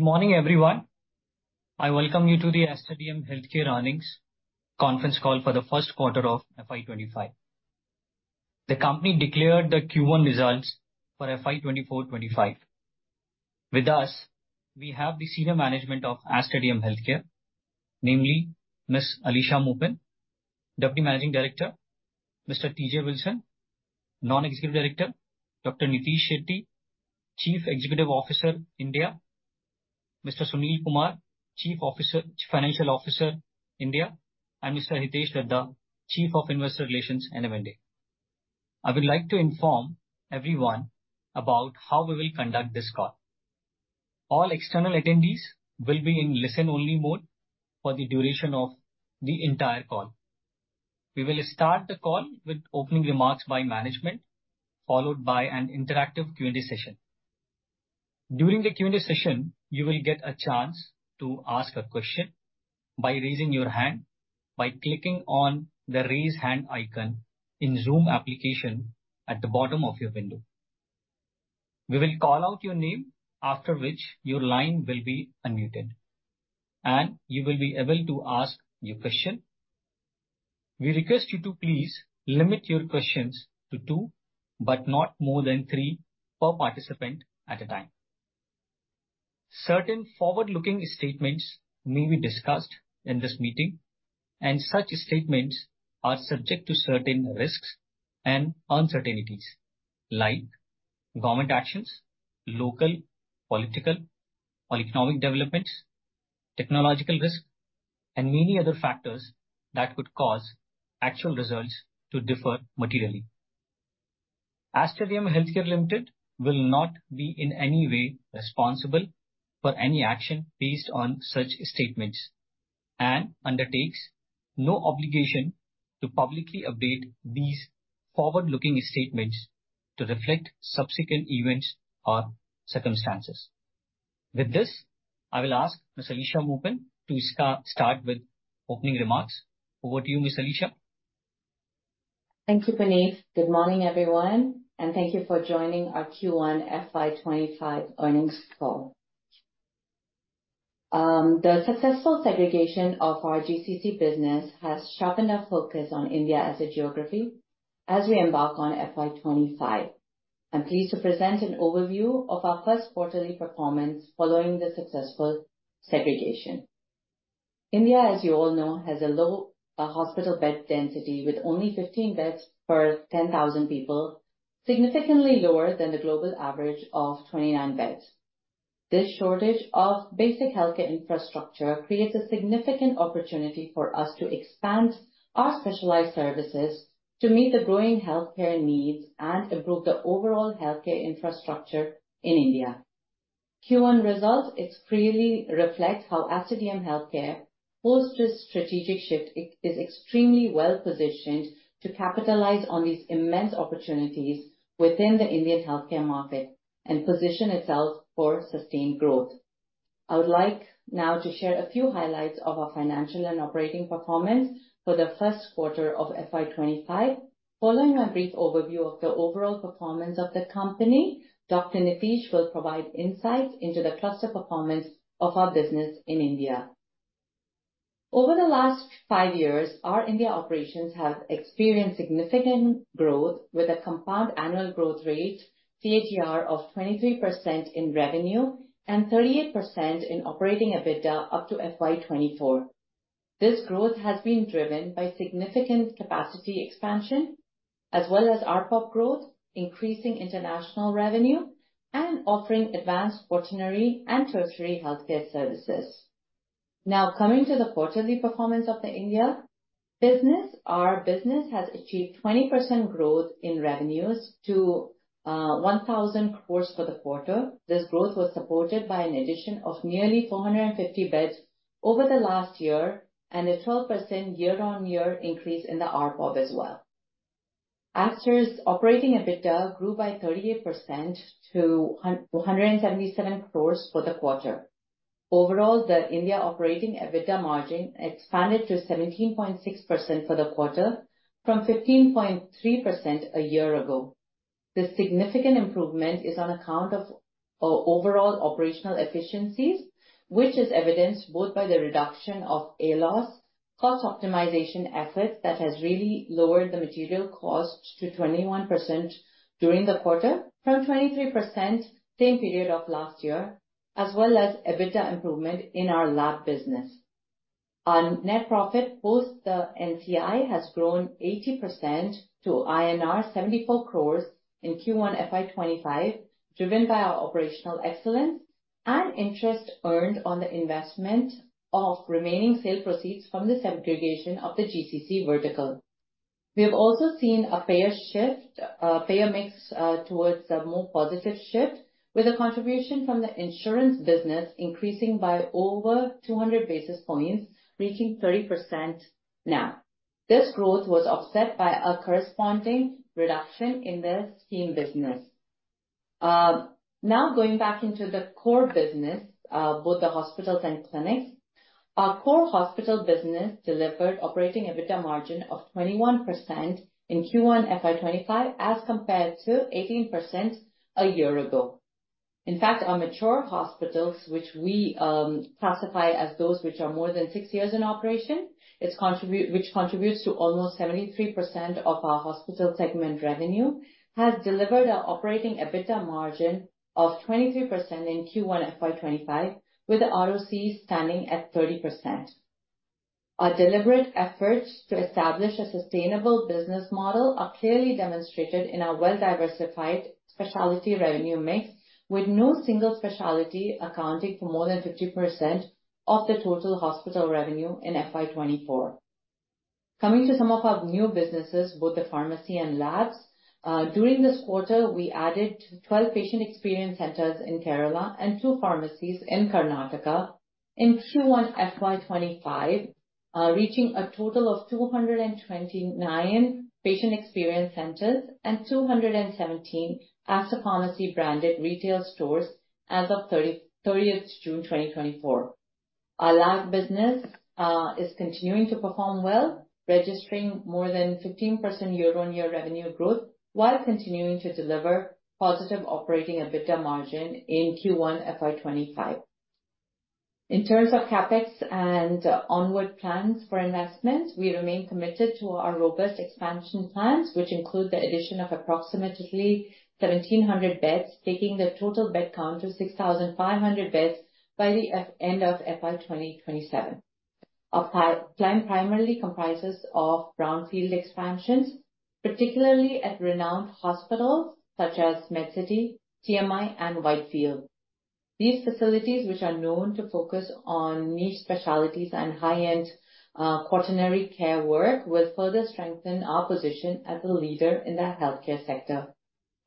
Good morning, everyone. I welcome you to the Aster DM Healthcare Earnings Conference Call for the first quarter of FY 25. The company declared the Q1 results for FY 24-25. With us, we have the senior management of Aster DM Healthcare, namely Ms. Alisha Moopen, Deputy Managing Director, Mr. T.J. Wilson, Non-Executive Director, Dr. Nitish Shetty, Chief Executive Officer, India, Mr. Sunil Kumar, Chief Financial Officer, India, and Mr. Hitesh Dhaddha, Chief of Investor Relations and M&A. I would like to inform everyone about how we will conduct this call. All external attendees will be in listen-only mode for the duration of the entire call. We will start the call with opening remarks by management, followed by an interactive Q&A session. During the Q&A session, you will get a chance to ask a question by raising your hand by clicking on the Raise Hand icon in Zoom application at the bottom of your window. We will call out your name, after which your line will be unmuted, and you will be able to ask your question. We request you to please limit your questions to two, but not more than three per participant at a time. Certain forward-looking statements may be discussed in this meeting, and such statements are subject to certain risks and uncertainties like government actions, local political or economic developments, technological risk, and many other factors that could cause actual results to differ materially. Aster DM Healthcare Limited will not be in any way responsible for any action based on such statements, and undertakes no obligation to publicly update these forward-looking statements to reflect subsequent events or circumstances. With this, I will ask Ms. Alisha Moopen to start with opening remarks. Over to you, Ms. Alisha. Thank you, Puneet. Good morning, everyone, and thank you for joining our Q1 FY25 earnings call. The successful segregation of our GCC business has sharpened our focus on India as a geography as we embark on FY25. I'm pleased to present an overview of our first quarterly performance following the successful segregation. India, as you all know, has a low hospital bed density with only 15 beds per 10,000 people, significantly lower than the global average of 29 beds. This shortage of basic healthcare infrastructure creates a significant opportunity for us to expand our specialized services to meet the growing healthcare needs and improve the overall healthcare infrastructure in India. Q1 results, it clearly reflects how Aster DM Healthcare, post its strategic shift, it is extremely well-positioned to capitalize on these immense opportunities within the Indian healthcare market and position itself for sustained growth. I would like now to share a few highlights of our financial and operating performance for the first quarter of FY 25. Following a brief overview of the overall performance of the company, Dr. Nitish will provide insights into the cluster performance of our business in India. Over the last five years, our India operations have experienced significant growth with a compound annual growth rate, CAGR, of 23% in revenue and 38% in operating EBITDA up to FY 24. This growth has been driven by significant capacity expansion, as well as ARPOB growth, increasing international revenue, and offering advanced quaternary and tertiary healthcare services. Now, coming to the quarterly performance of the India business. Our business has achieved 20% growth in revenues to 1,000 crore for the quarter. This growth was supported by an addition of nearly 450 beds over the last year, and a 12% year-on-year increase in the ARPOB as well. Aster's operating EBITDA grew by 38% to 177 crore for the quarter. Overall, the India operating EBITDA margin expanded to 17.6% for the quarter, from 15.3% a year ago. This significant improvement is on account of our overall operational efficiencies, which is evidenced both by the reduction of ALOS, cost optimization efforts that has really lowered the material cost to 21% during the quarter, from 23% same period of last year, as well as EBITDA improvement in our lab business. Our net profit, post the NCI, has grown 80% to INR 74 crore in Q1 FY 2025, driven by our operational excellence and interest earned on the investment of remaining sale proceeds from the segregation of the GCC vertical. We have also seen a payer shift, payer mix, towards a more positive shift, with a contribution from the insurance business increasing by over 200 basis points, reaching 30% now. This growth was offset by a corresponding reduction in the scheme business. Now, going back into the core business, our core hospital business delivered operating EBITDA margin of 21% in Q1 FY 2025, as compared to 18% a year ago. In fact, our mature hospitals, which we classify as those which are more than six years in operation, which contributes to almost 73% of our hospital segment revenue, has delivered our operating EBITDA margin of 23% in Q1 FY 25, with the ROCE standing at 30%. Our deliberate efforts to establish a sustainable business model are clearly demonstrated in our well-diversified specialty revenue mix, with no single specialty accounting for more than 50% of the total hospital revenue in FY 24. Coming to some of our new businesses, both the pharmacy and labs, during this quarter, we added 12 patient experience centers in Kerala and two pharmacies in Karnataka. In Q1 FY 25, reaching a total of 229 patient experience centers and 217 Aster Pharmacy branded retail stores as of thirtieth June 2024. Our lab business is continuing to perform well, registering more than 15% year-on-year revenue growth, while continuing to deliver positive operating EBITDA margin in Q1 FY 25. In terms of CapEx and onward plans for investments, we remain committed to our robust expansion plans, which include the addition of approximately 1,700 beds, taking the total bed count to 6,500 beds by the end of FY 2027. Our plan primarily comprises of brownfield expansions, particularly at renowned hospitals such as Medcity, CMI, and Whitefield. These facilities, which are known to focus on niche specialties and high-end quaternary care work, will further strengthen our position as a leader in the healthcare sector.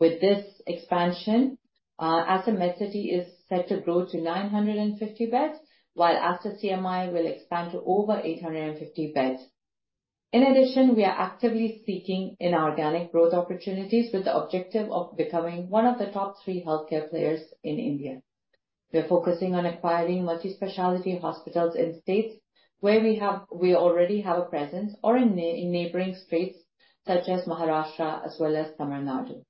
With this expansion, Aster Medcity is set to grow to 950 beds, while Aster CMI will expand to over 850 beds. In addition, we are actively seeking inorganic growth opportunities with the objective of becoming one of the top three healthcare players in India. We are focusing on acquiring multi-specialty hospitals in states where we have a presence, or in neighboring states such as Maharashtra as well as Tamil Nadu.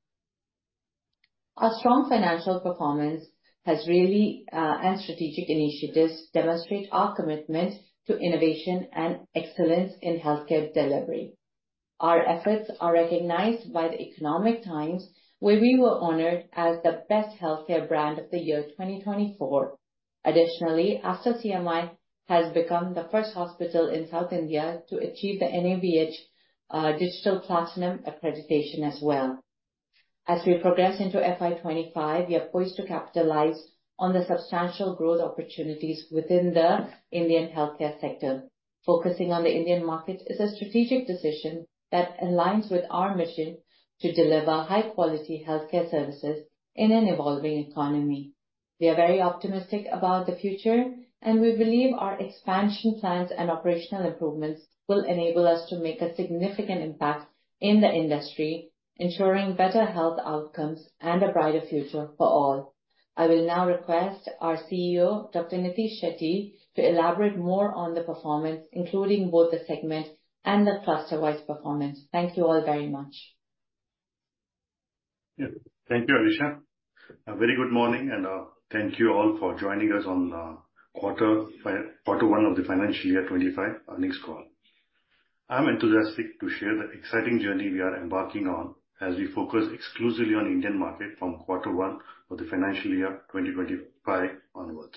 Our strong financial performance has really and strategic initiatives demonstrate our commitment to innovation and excellence in healthcare delivery. Our efforts are recognized by the Economic Times, where we were honored as the Best Healthcare Brand of the Year, 2024. Additionally, Aster CMI has become the first hospital in South India to achieve the NABH Digital Platinum Accreditation as well. As we progress into FY 25, we are poised to capitalize on the substantial growth opportunities within the Indian healthcare sector. Focusing on the Indian market is a strategic decision that aligns with our mission to deliver high-quality healthcare services in an evolving economy. We are very optimistic about the future, and we believe our expansion plans and operational improvements will enable us to make a significant impact in the industry, ensuring better health outcomes and a brighter future for all. I will now request our CEO, Dr. Nitish Shetty, to elaborate more on the performance, including both the segment and the cluster-wise performance. Thank you all very much. Yeah. Thank you, Alisha. A very good morning, and thank you all for joining us on quarter one of the financial year 25 earnings call. I'm enthusiastic to share the exciting journey we are embarking on, as we focus exclusively on Indian market from quarter one of the financial year 2025 onwards.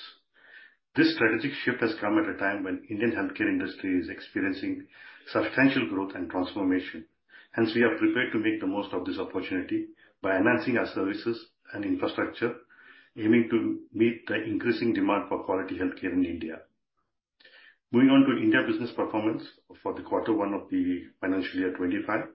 This strategic shift has come at a time when Indian healthcare industry is experiencing substantial growth and transformation. Hence, we are prepared to make the most of this opportunity by enhancing our services and infrastructure, aiming to meet the increasing demand for quality healthcare in India. Moving on to India business performance for the quarter one of the financial year 25.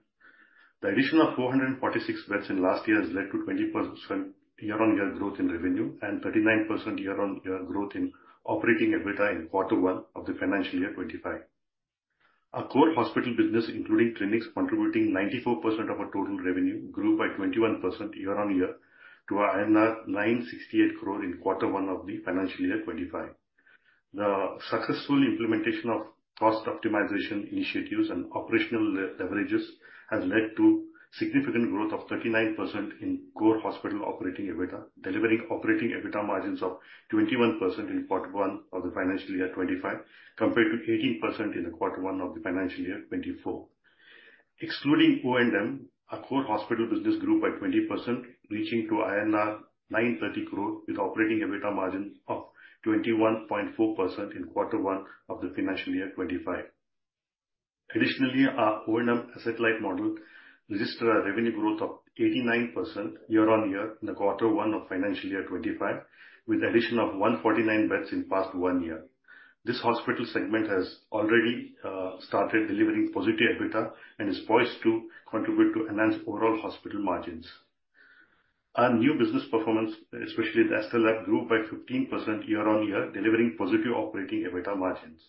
The addition of 446 beds in last year has led to 20% year-on-year growth in revenue, and 39% year-on-year growth in operating EBITDA in quarter one of the financial year 2025. Our core hospital business, including clinics, contributing 94% of our total revenue, grew by 21% year-on-year, to 968 crore in quarter one of the financial year 2025. The successful implementation of cost optimization initiatives and operational leverages has led to significant growth of 39% in core hospital operating EBITDA, delivering operating EBITDA margins of 21% in quarter one of the financial year 2025, compared to 18% in the quarter one of the financial year 2024. Excluding O&M, our core hospital business grew by 20%, reaching to INR 930 crore, with operating EBITDA margin of 21.4% in quarter one of the financial year 2025. Additionally, our O&M satellite model registered a revenue growth of 89% year-on-year in the quarter one of financial year 2025, with the addition of 149 beds in past one year. This hospital segment has already started delivering positive EBITDA and is poised to contribute to enhance overall hospital margins. Our new business performance, especially the Aster Lab, grew by 15% year-on-year, delivering positive operating EBITDA margins.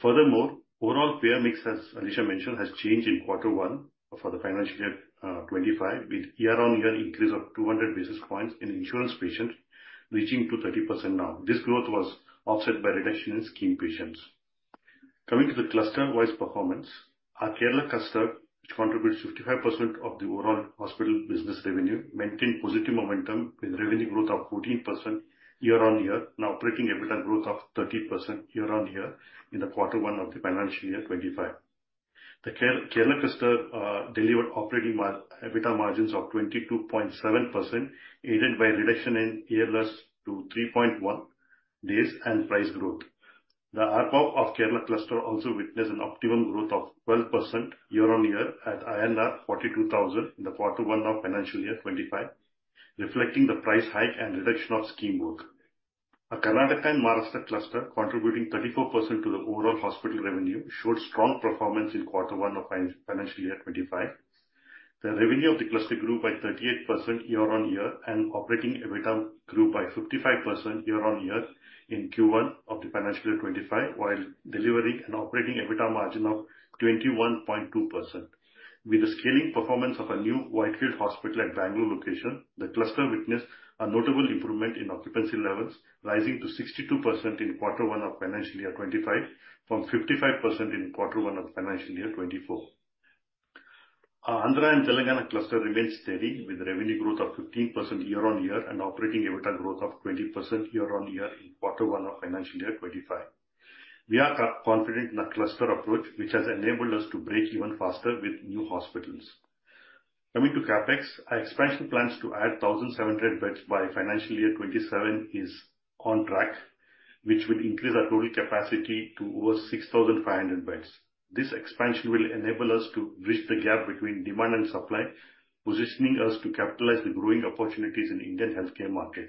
Furthermore, overall payer mix, as Alisha mentioned, has changed in quarter one for the financial year 2025, with year-on-year increase of 200 basis points in insurance patients, reaching to 30% now. This growth was offset by reduction in scheme patients. Coming to the cluster-wise performance, our Kerala cluster, which contributes 55% of the overall hospital business revenue, maintained positive momentum with revenue growth of 14% year-on-year and operating EBITDA growth of 30% year-on-year in quarter one of the financial year 2025. The Kerala cluster delivered operating EBITDA margins of 22.7%, aided by a reduction in ALOS to 3.1 days and price growth. The ARPOB of Kerala cluster also witnessed an optimum growth of 12% year-on-year at INR 42,000 in quarter one of financial year 2025, reflecting the price hike and reduction of scheme work. Our Karnataka and Maharashtra cluster, contributing 34% to the overall hospital revenue, showed strong performance in quarter one of financial year 2025. The revenue of the cluster grew by 38% year-over-year, and operating EBITDA grew by 55% year-over-year in Q1 of the financial year 25, while delivering an operating EBITDA margin of 21.2%. With the scaling performance of our new Whitefield hospital at Bangalore location, the cluster witnessed a notable improvement in occupancy levels, rising to 62% in quarter one of financial year 25 from 55% in quarter one of financial year 24. Our Andhra and Telangana cluster remains steady, with revenue growth of 15% year-over-year and operating EBITDA growth of 20% year-over-year in quarter one of financial year 25. We are confident in our cluster approach, which has enabled us to break even faster with new hospitals. Coming to CapEx, our expansion plans to add 1,700 beds by financial year 2027 is on track, which will increase our total capacity to over 6,500 beds. This expansion will enable us to bridge the gap between demand and supply, positioning us to capitalize the growing opportunities in Indian healthcare market.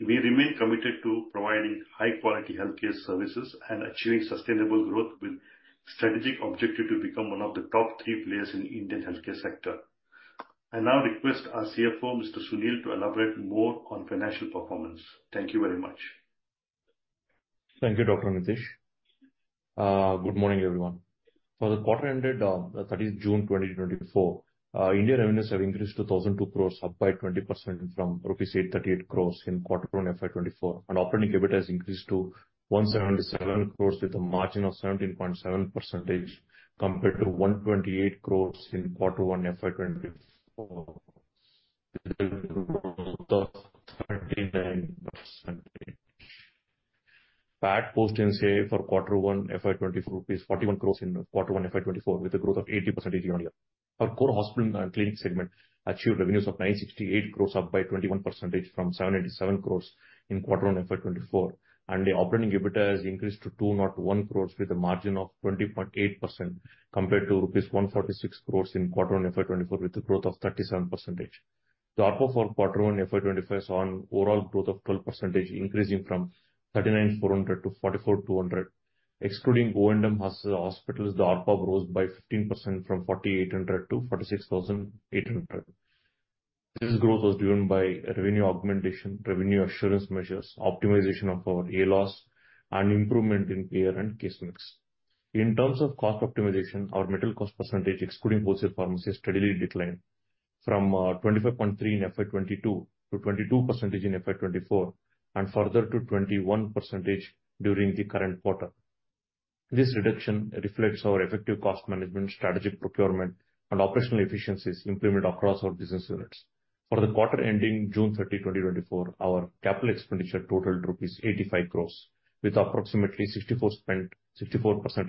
We remain committed to providing high-quality healthcare services and achieving sustainable growth, with strategic objective to become one of the top three players in Indian healthcare sector. I now request our CFO, Mr. Sunil, to elaborate more on financial performance. Thank you very much. Thank you, Dr. Nitish. Good morning, everyone. For the quarter ended thirtieth June 2024, India revenues have increased to 1,002 crores, up by 20% from rupees 838 crores in quarter one FY 2024, and operating EBITDA has increased to 177 crores with a margin of 17.7%, compared to 128 crores in quarter one FY 2024, 39%. PAT post NCI for quarter one FY 2024, 41 crores in quarter one FY 2024, with a growth of 80% year-on-year. Our core hospital and clinic segment achieved revenues of 968 crore, up 21% from 787 crore in quarter one FY 2024, and the operating EBITDA has increased to 201 crore with a margin of 20.8%, compared to rupees 146 crore in quarter one FY 2024, with a growth of 37%. The ARPOB for quarter one FY 2025 saw an overall growth of 12%, increasing from 39,400 to 44,200. Excluding O&M hospitals, the ARPOB rose by 15% from 4,800 to 46,800. This growth was driven by revenue augmentation, revenue assurance measures, optimization of our ALOS, and improvement in payer and case mix. In terms of cost optimization, our material cost percentage, excluding wholesale pharmacy, steadily declined from 25.3 in FY 2022 to 22% in FY 2024, and further to 21% during the current quarter. This reduction reflects our effective cost management, strategic procurement, and operational efficiencies implemented across our business units. For the quarter ending June 30, 2024, our capital expenditure totaled rupees 85 crore, with approximately 64%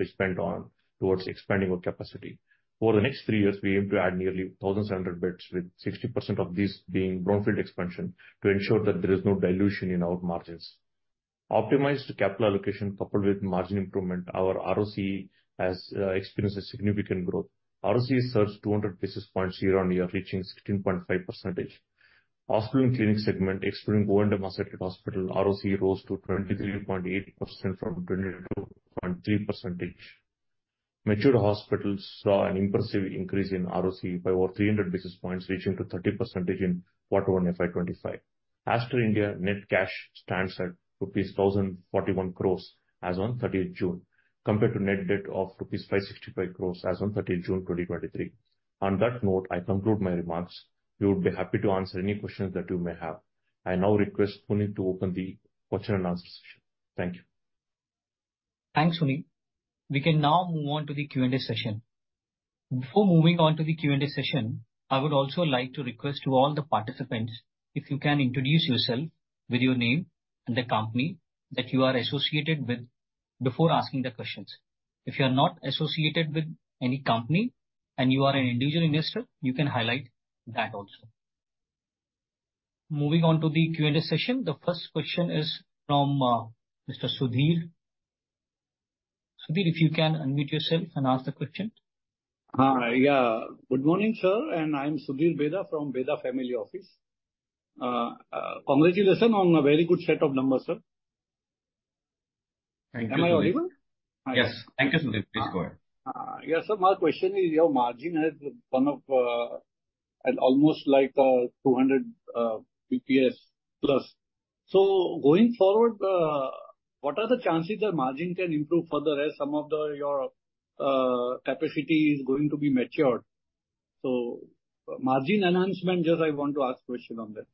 spent towards expanding our capacity. Over the next three years, we aim to add nearly 1,700 beds, with 60% of these being brownfield expansion, to ensure that there is no dilution in our margins. Optimized capital allocation, coupled with margin improvement, our ROCE has experienced a significant growth. ROCE surged 200 basis points year-on-year, reaching 16.5%. Hospital and clinic segment, excluding O&M-asset hospitals, ROCE rose to 23.8% from 22.3%. Mature hospitals saw an impressive increase in ROCE by over 300 basis points, reaching 30% in quarter one FY 2025. Aster India net cash stands at rupees 1,041 crores as on 30th June, compared to net debt of rupees 565 crores as on 30th June, 2023. On that note, I conclude my remarks. We would be happy to answer any questions that you may have. I now request Puneet to open the question and answer session. Thank you. Thanks, Sunil. We can now move on to the Q&A session. Before moving on to the Q&A session, I would also like to request to all the participants, if you can introduce yourself with your name and the company that you are associated with, before asking the questions. If you are not associated with any company and you are an individual investor, you can highlight that also. Moving on to the Q&A session, the first question is from Mr. Sudhir. Sudhir, if you can unmute yourself and ask the question. Good morning, sir, and I'm Sudhir Bheda from Bheda Family Office. Congratulations on a very good set of numbers, sir. Thank you. Am I audible? Yes. Thank you, Sudhir. Please go ahead. Yes, sir, my question is, your margin has gone up at almost like 200 BPS plus. So going forward, what are the chances that margin can improve further as some of the your capacity is going to be matured? So margin enhancement, just I want to ask question on that.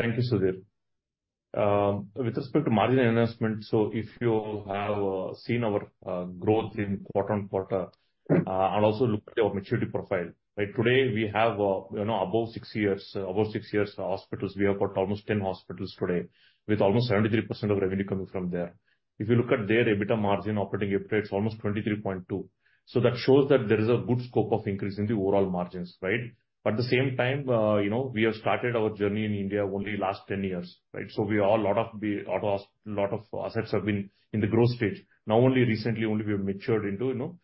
Thank you, Sudhir. With respect to margin enhancement, so if you have seen our growth in quarter-on-quarter, and also look at our maturity profile, right? Today, we have, you know, above six years, above six years hospitals. We have got almost 10 hospitals today, with almost 73% of revenue coming from there. If you look at their EBITDA margin, operating EBITDA, it's almost 23.2. So that shows that there is a good scope of increasing the overall margins, right? At the same time, you know, we have started our journey in India only last 10 years, right? So a lot of assets have been in the growth stage. Now, only recently only we have matured into, you know,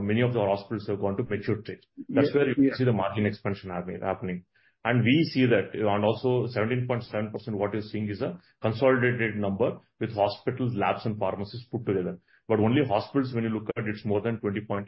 many of the hospitals have gone to mature stage. Yes. That's where you will see the margin expansion happening. And we see that, and also 17.7%, what you're seeing is a consolidated number with hospitals, labs, and pharmacies put together. But only hospitals, when you look at, it's more than 20.8%.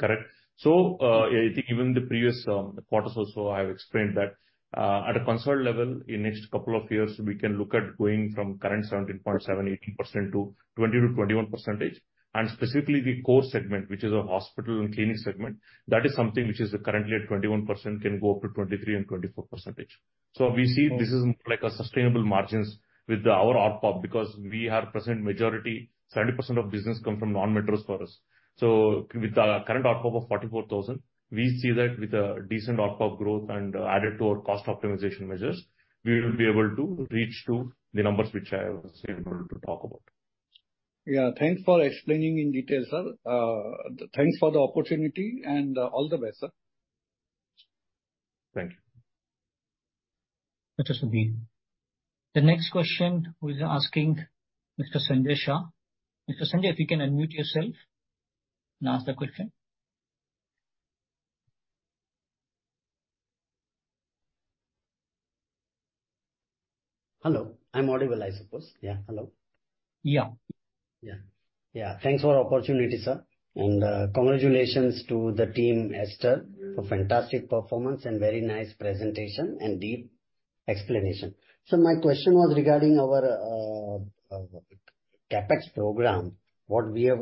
Correct? So, I think even the previous quarters also, I have explained that, at a consolidated level, in next couple of years, we can look at going from current 17.7%, 18% to 20%-21%. And specifically, the core segment, which is our hospital and clinic segment, that is something which is currently at 21%, can go up to 23%-24%. So we see this is like a sustainable margins with our ARPOB, because we have present majority, 70% of business come from non-metros for us. With our current ARPOB of 44,000, we see that with a decent ARPOB growth and added to our cost optimization measures, we will be able to reach to the numbers which I was able to talk about. Yeah. Thanks for explaining in detail, sir. Thanks for the opportunity, and all the best, sir. Thank you. Mr. Sudhir, the next question, who is asking, Mr. Sanjay Shah. Mr. Sanjay, if you can unmute yourself and ask the question. Hello, I'm audible, I suppose. Yeah. Hello. Yeah. Yeah. Yeah, thanks for the opportunity, sir, and, congratulations to the team Aster for fantastic performance and very nice presentation and deep explanation. So my question was regarding our, CapEx program, what we have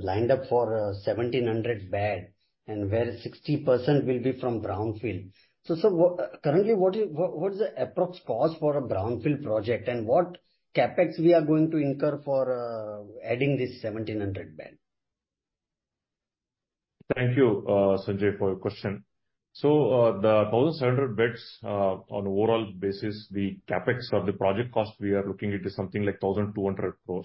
lined up for 1,700 bed, and where 60% will be from brownfield. So, sir, what, currently, what is, what, what is the approx cost for a brownfield project, and what CapEx we are going to incur for adding this 1,700 bed? Thank you, Sanjay, for your question. So, the 1,700 beds, on overall basis, the CapEx or the project cost, we are looking into something like 1,200 crore.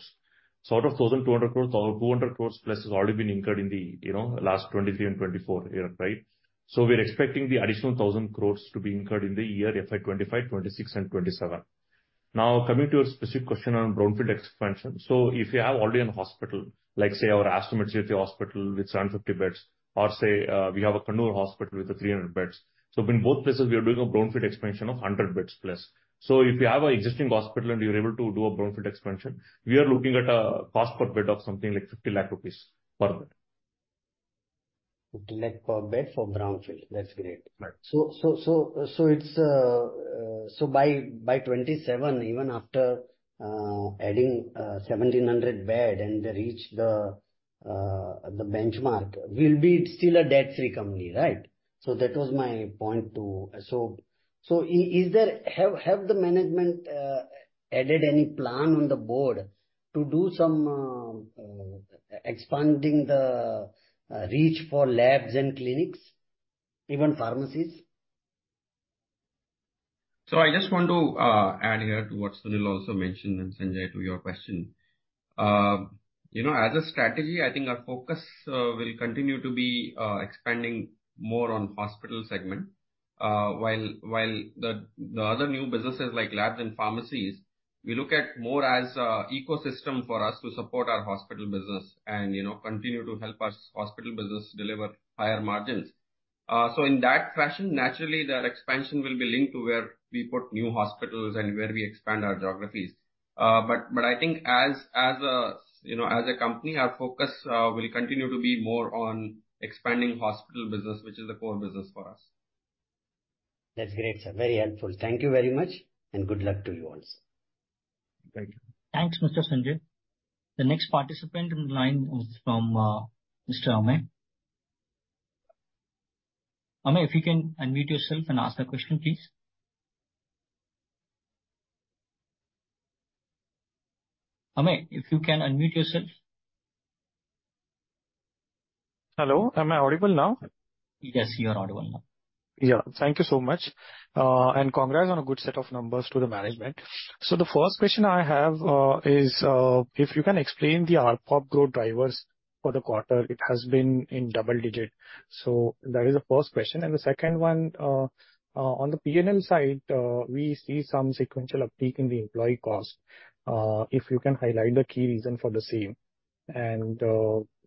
So out of 1,200 crore, 1,200 crore plus has already been incurred in the, you know, last 2023 and 2024 year, right? So we're expecting the additional 1,000 crore to be incurred in the year FY 2025, 2026 and 2027. Now, coming to your specific question on brownfield expansion. So if you have already an hospital, like, say, our Aster Medcity Hospital with 750 beds, or say, we have a Kannur hospital with 300 beds. So in both places, we are doing a brownfield expansion of 100 beds plus. If you have an existing hospital and you're able to do a brownfield expansion, we are looking at a cost per bed of something like 50 lakh rupees per bed. 50 lakh per bed for brownfield. That's great. Right. So it's by 2027, even after adding 1,700 bed and reach the benchmark, we'll be still a debt-free company, right? So that was my point, too. So is there... Have the management added any plan on the board to do some expanding the reach for labs and clinics, even pharmacies? So I just want to add here to what Sunil also mentioned, and Sanjay, to your question. You know, as a strategy, I think our focus will continue to be expanding more on hospital segment. While the other new businesses, like labs and pharmacies, we look at more as a ecosystem for us to support our hospital business and, you know, continue to help us hospital business deliver higher margins. So in that fashion, naturally, that expansion will be linked to where we put new hospitals and where we expand our geographies. But I think as a, you know, as a company, our focus will continue to be more on expanding hospital business, which is the core business for us. That's great, sir. Very helpful. Thank you very much, and good luck to you all. Thank you. Thanks, Mr. Sanjay. The next participant in line is from Mr. Amey. Amey, if you can unmute yourself and ask the question, please. Amey, if you can unmute yourself. Hello, am I audible now? Yes, you are audible now. Yeah. Thank you so much, and congrats on a good set of numbers to the management. So the first question I have is if you can explain the ARPOB growth drivers for the quarter; it has been in double digit. So that is the first question. And the second one, on the P&L side, we see some sequential uptick in the employee cost. If you can highlight the key reason for the same. And,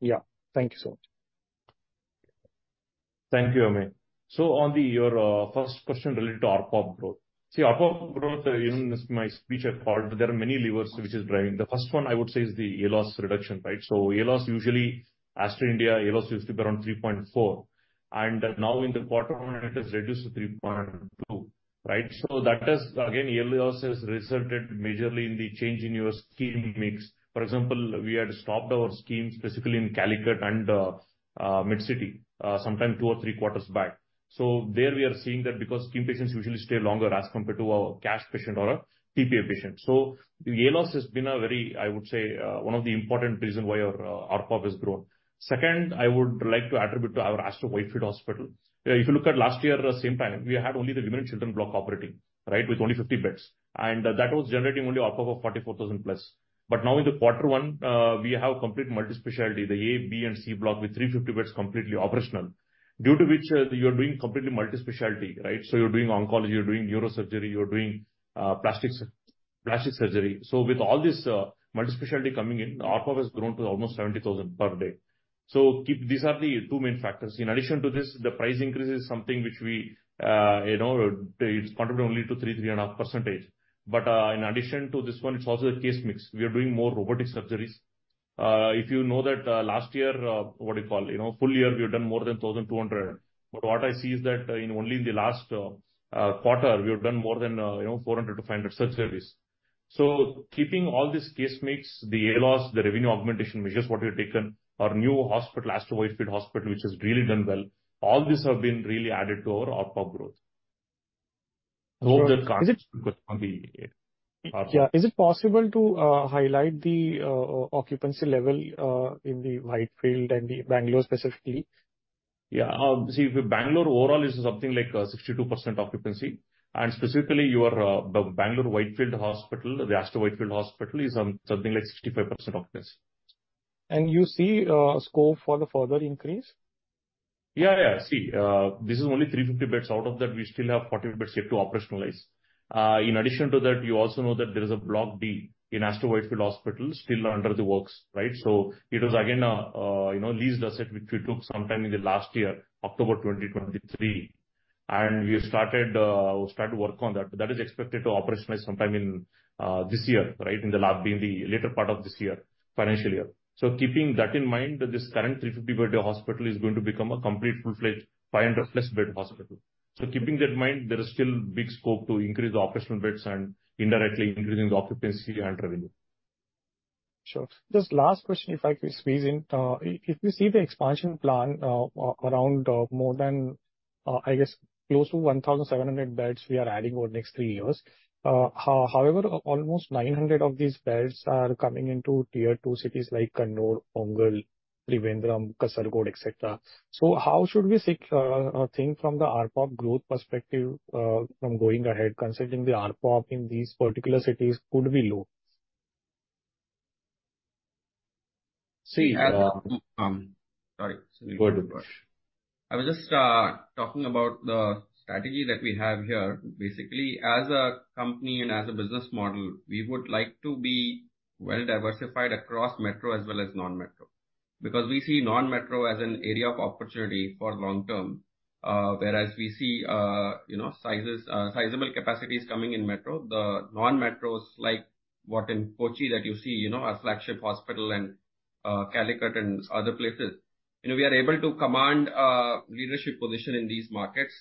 yeah, thank you, sir. Thank you, Amey. So on your first question related to ARPOB growth. See, ARPOB growth, you know, my speech at part, there are many levers which is driving. The first one I would say is the ALOS reduction, right? So ALOS usually, Aster India, ALOS used to be around 3.4.... And now in the quarter one, it has reduced to 3.2, right? So that has, again, ALOS has resulted majorly in the change in your scheme mix. For example, we had stopped our schemes, specifically in Calicut and Medcity sometime two or three quarters back. So there we are seeing that because scheme patients usually stay longer as compared to our cash patient or a PPA patient. So the ALOS has been a very, I would say, one of the important reason why our ARPOP has grown. Second, I would like to attribute to our Aster Whitefield Hospital. If you look at last year, same time, we had only the women and children block operating, right, with only 50 beds, and that was generating only ARPOP of 44,000 plus. But now in the quarter one, we have complete multi-specialty, the A, B and C block, with 350 beds completely operational, due to which, you are doing completely multi-specialty, right? So you're doing oncology, you're doing neurosurgery, you're doing plastic surgery. So with all this, multi-specialty coming in, ARPOP has grown to almost 70,000 per day. So these are the two main factors. In addition to this, the price increase is something which we, you know, it's contributed only to 3%-3.5%. But in addition to this one, it's also a case mix. We are doing more robotic surgeries. If you know that, last year, you know, full year, we have done more than 1,200. But what I see is that in only the last quarter, we have done more than, you know, 400-500 surgeries. So keeping all this case mix, the ALOS, the revenue augmentation, which is what we have taken, our new hospital, Aster Whitefield Hospital, which has really done well, all these have been really added to our ARPOB growth. Yeah. Is it possible to highlight the occupancy level in the Whitefield and the Bangalore specifically? Yeah. See, Bangalore overall is something like 62% occupancy, and specifically your the Bangalore Whitefield Hospital, the Aster Whitefield Hospital, is something like 65% occupancy. You see, scope for the further increase? Yeah, yeah. See, this is only 350 beds. Out of that, we still have 40 beds yet to operationalize. In addition to that, you also know that there is a Block B in Aster Whitefield Hospital, still under the works, right? So it is again, a, you know, leased asset, which we took sometime in the last year, October 2023, and we have started, started work on that. That is expected to operationalize sometime in, this year, right, in the last, in the later part of this year, financial year. So keeping that in mind, this current 350-bed hospital is going to become a complete full-fledged 500+ bed hospital. So keeping that in mind, there is still big scope to increase the operational beds and indirectly increasing the occupancy and revenue. Sure. Just last question, if I could squeeze in. If you see the expansion plan, around more than I guess close to 1,700 beds we are adding over the next three years. However, almost 900 of these beds are coming into Tier 2 cities like Kannur, Ongole, Trivandrum, Kasaragod, et cetera. So how should we seek or think from the ARPOP growth perspective from going ahead, considering the ARPOP in these particular cities could be low? See, uh- Um, sorry. Go ahead, Prash. I was just talking about the strategy that we have here. Basically, as a company and as a business model, we would like to be well diversified across metro as well as non-metro, because we see non-metro as an area of opportunity for long term, whereas we see, you know, sizes, sizable capacities coming in metro. The non-metros, like what in Kochi that you see, you know, our flagship hospital and, Calicut and other places, you know, we are able to command a leadership position in these markets,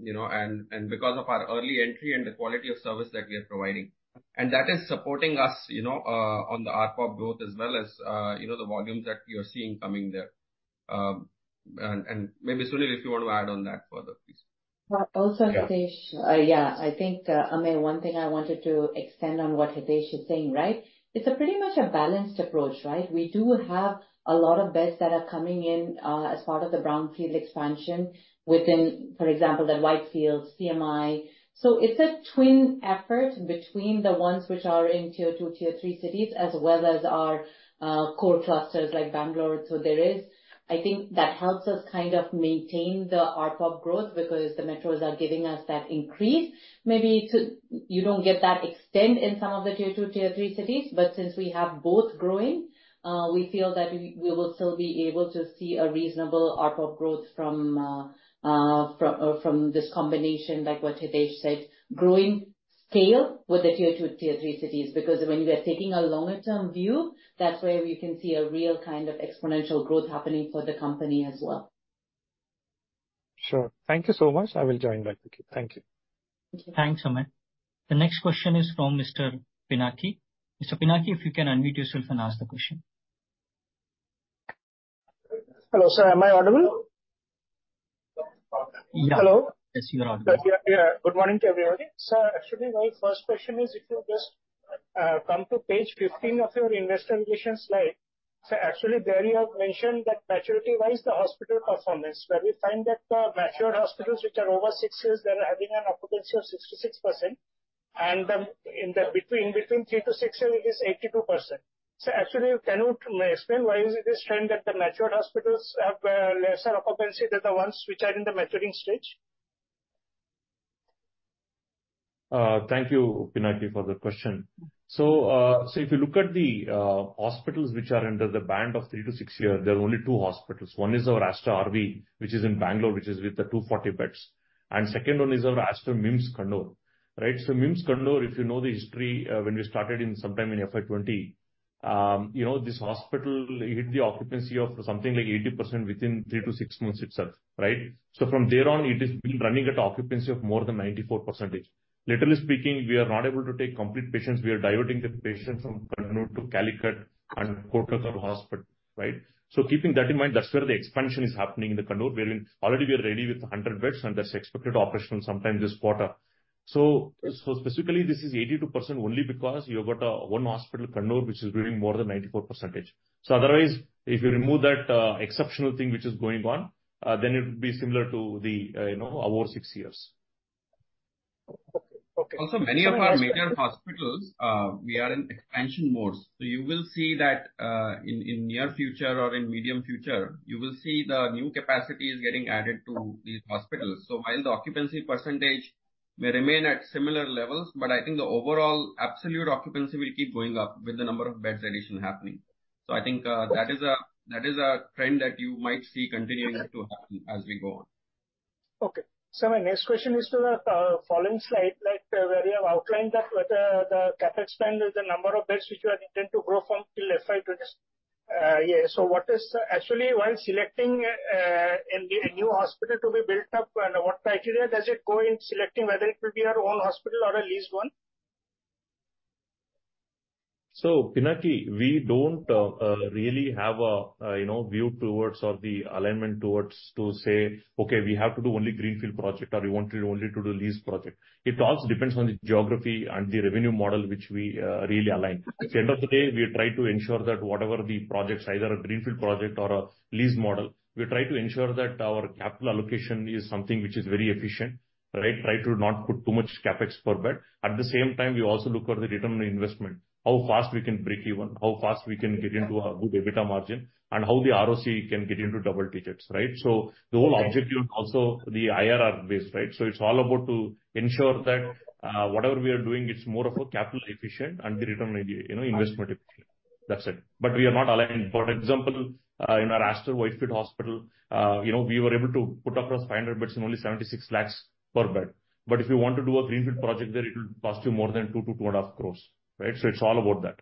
you know, and, and because of our early entry and the quality of service that we are providing. That is supporting us, you know, on the ARPOB growth as well as, you know, the volumes that we are seeing coming there. And maybe, Sunil, if you want to add on that further, please. Well, also Hitesh- Yeah. Yeah, I think, Amit, one thing I wanted to extend on what Hitesh is saying, right? It's a pretty much a balanced approach, right? We do have a lot of beds that are coming in, as part of the brownfield expansion within, for example, the Whitefield, CMI. So it's a twin effort between the ones which are in tier 2, tier 3 cities, as well as our, core clusters like Bangalore. So there is... I think that helps us kind of maintain the ARPOP growth, because the metros are giving us that increase. Maybe to, you don't get that extent in some of the tier two, tier three cities, but since we have both growing, we feel that we, we will still be able to see a reasonable ARPOP growth from, from this combination, like what Hitesh said, growing scale with the tier two, tier three cities. Because when we are taking a longer term view, that's where we can see a real kind of exponential growth happening for the company as well. Sure. Thank you so much. I will join back with you. Thank you. Thanks, Amit. The next question is from Mr. Pinaki. Mr. Pinaki, if you can unmute yourself and ask the question. Hello, sir, am I audible? Yeah. Hello? Yes, you are audible. Yeah, yeah. Good morning to everybody. Sir, actually, my first question is, if you just come to page 15 of your investor relations slide. So actually, there you have mentioned that maturity-wise, the hospital performance, where we find that mature hospitals, which are over six years, they are having an occupancy of 66%, and those between three to six years, it is 82%. So actually, can you explain why is it this trend that the mature hospitals have lesser occupancy than the ones which are in the maturing stage? Thank you, Pinaki, for the question. So, so if you look at the hospitals which are under the band of three to six years, there are only two hospitals. One is our Aster RV, which is in Bangalore, which is with the 240 beds, and second one is our Aster MIMS, Kannur, right? So MIMS, Kannur, if you know the history, when we started in sometime in FY twenty-..., you know, this hospital hit the occupancy of something like 80% within three to six months itself, right? So from there on, it has been running at an occupancy of more than 94%. Literally speaking, we are not able to take complete patients. We are diverting the patients from Kannur to Calicut and Kottakkal Hospital, right? So keeping that in mind, that's where the expansion is happening in the Kannur. Already, we are ready with 100 beds, and that's expected to operational sometime this quarter. So, specifically, this is 82% only because you've got one hospital, Kannur, which is doing more than 94%. So otherwise, if you remove that exceptional thing which is going on, then it would be similar to the, you know, over 6 years. Okay, okay. Also, many of our major hospitals, we are in expansion modes. So you will see that, in near future or in medium future, you will see the new capacity is getting added to these hospitals. So while the occupancy percentage may remain at similar levels, but I think the overall absolute occupancy will keep going up with the number of beds addition happening. So I think, that is a trend that you might see continuing to happen as we go on. Okay. So my next question is to the following slide, like, where you have outlined that whether the CapEx plan is the number of beds which you are intent to grow from till FY 24. So what is... Actually, while selecting a new hospital to be built up, and what criteria does it go in selecting whether it will be our own hospital or a leased one? So, Pinaki, we don't really have a, you know, view towards or the alignment towards to say, "Okay, we have to do only greenfield project, or we want to only do the lease project." It also depends on the geography and the revenue model which we really align. At the end of the day, we try to ensure that whatever the projects, either a greenfield project or a lease model, we try to ensure that our capital allocation is something which is very efficient, right? Try to not put too much CapEx per bed. At the same time, we also look for the return on investment, how fast we can break even, how fast we can get into a good EBITDA margin, and how the ROC can get into double digits, right? So the whole objective also the IRR base, right? So it's all about to ensure that, whatever we are doing, it's more of a capital efficient and the return on the, you know, investment efficient. That's it. But we are not aligned. For example, in our Aster Whitefield Hospital, you know, we were able to put across 500 beds and only 76 lakhs per bed. But if you want to do a greenfield project there, it will cost you more than 2-2.5 crores, right? So it's all about that.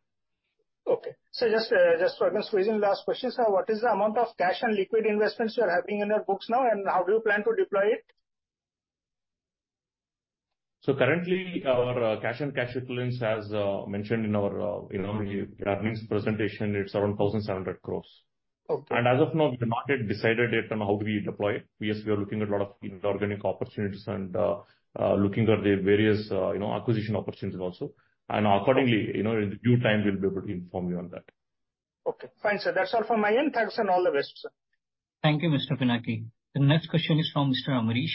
Okay. So just, just for this reason, last question, sir. What is the amount of cash and liquid investments you are having in your books now, and how do you plan to deploy it? Currently, our cash and cash equivalents, as mentioned in our earnings presentation, it's around 1,700 crore. Okay. As of now, we have not yet decided yet on how we deploy it. Yes, we are looking at a lot of inorganic opportunities and, looking at the various, you know, acquisition opportunities also. And accordingly, you know, in due time, we'll be able to inform you on that. Okay. Fine, sir. That's all from my end. Thanks, and all the best, sir. Thank you, Mr. Pinaki. The next question is from Mr. Amrish.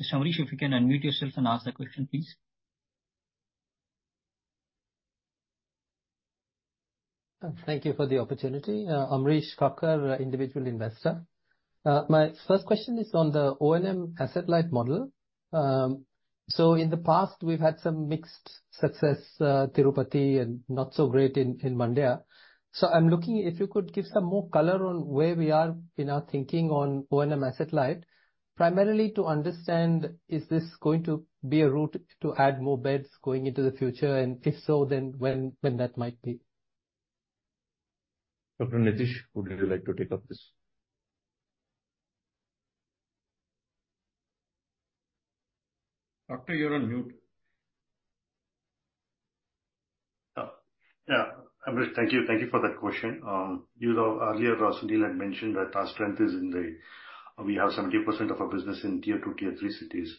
Mr. Amrish, if you can unmute yourself and ask the question, please. Thank you for the opportunity. Amrish Kacker, individual investor. My first question is on the O&M asset-light model. So in the past, we've had some mixed success, Tirupati, and not so great in Mandya. I'm looking if you could give some more color on where we are in our thinking on O&M asset-light, primarily to understand, is this going to be a route to add more beds going into the future? And if so, then when that might be. Dr. Nitish, would you like to take up this? Doctor, you're on mute. Oh, yeah. Amrish, thank you. Thank you for that question. You know, earlier, Sunil had mentioned that our strength is in the... We have 70% of our business in Tier 2, Tier 3 cities.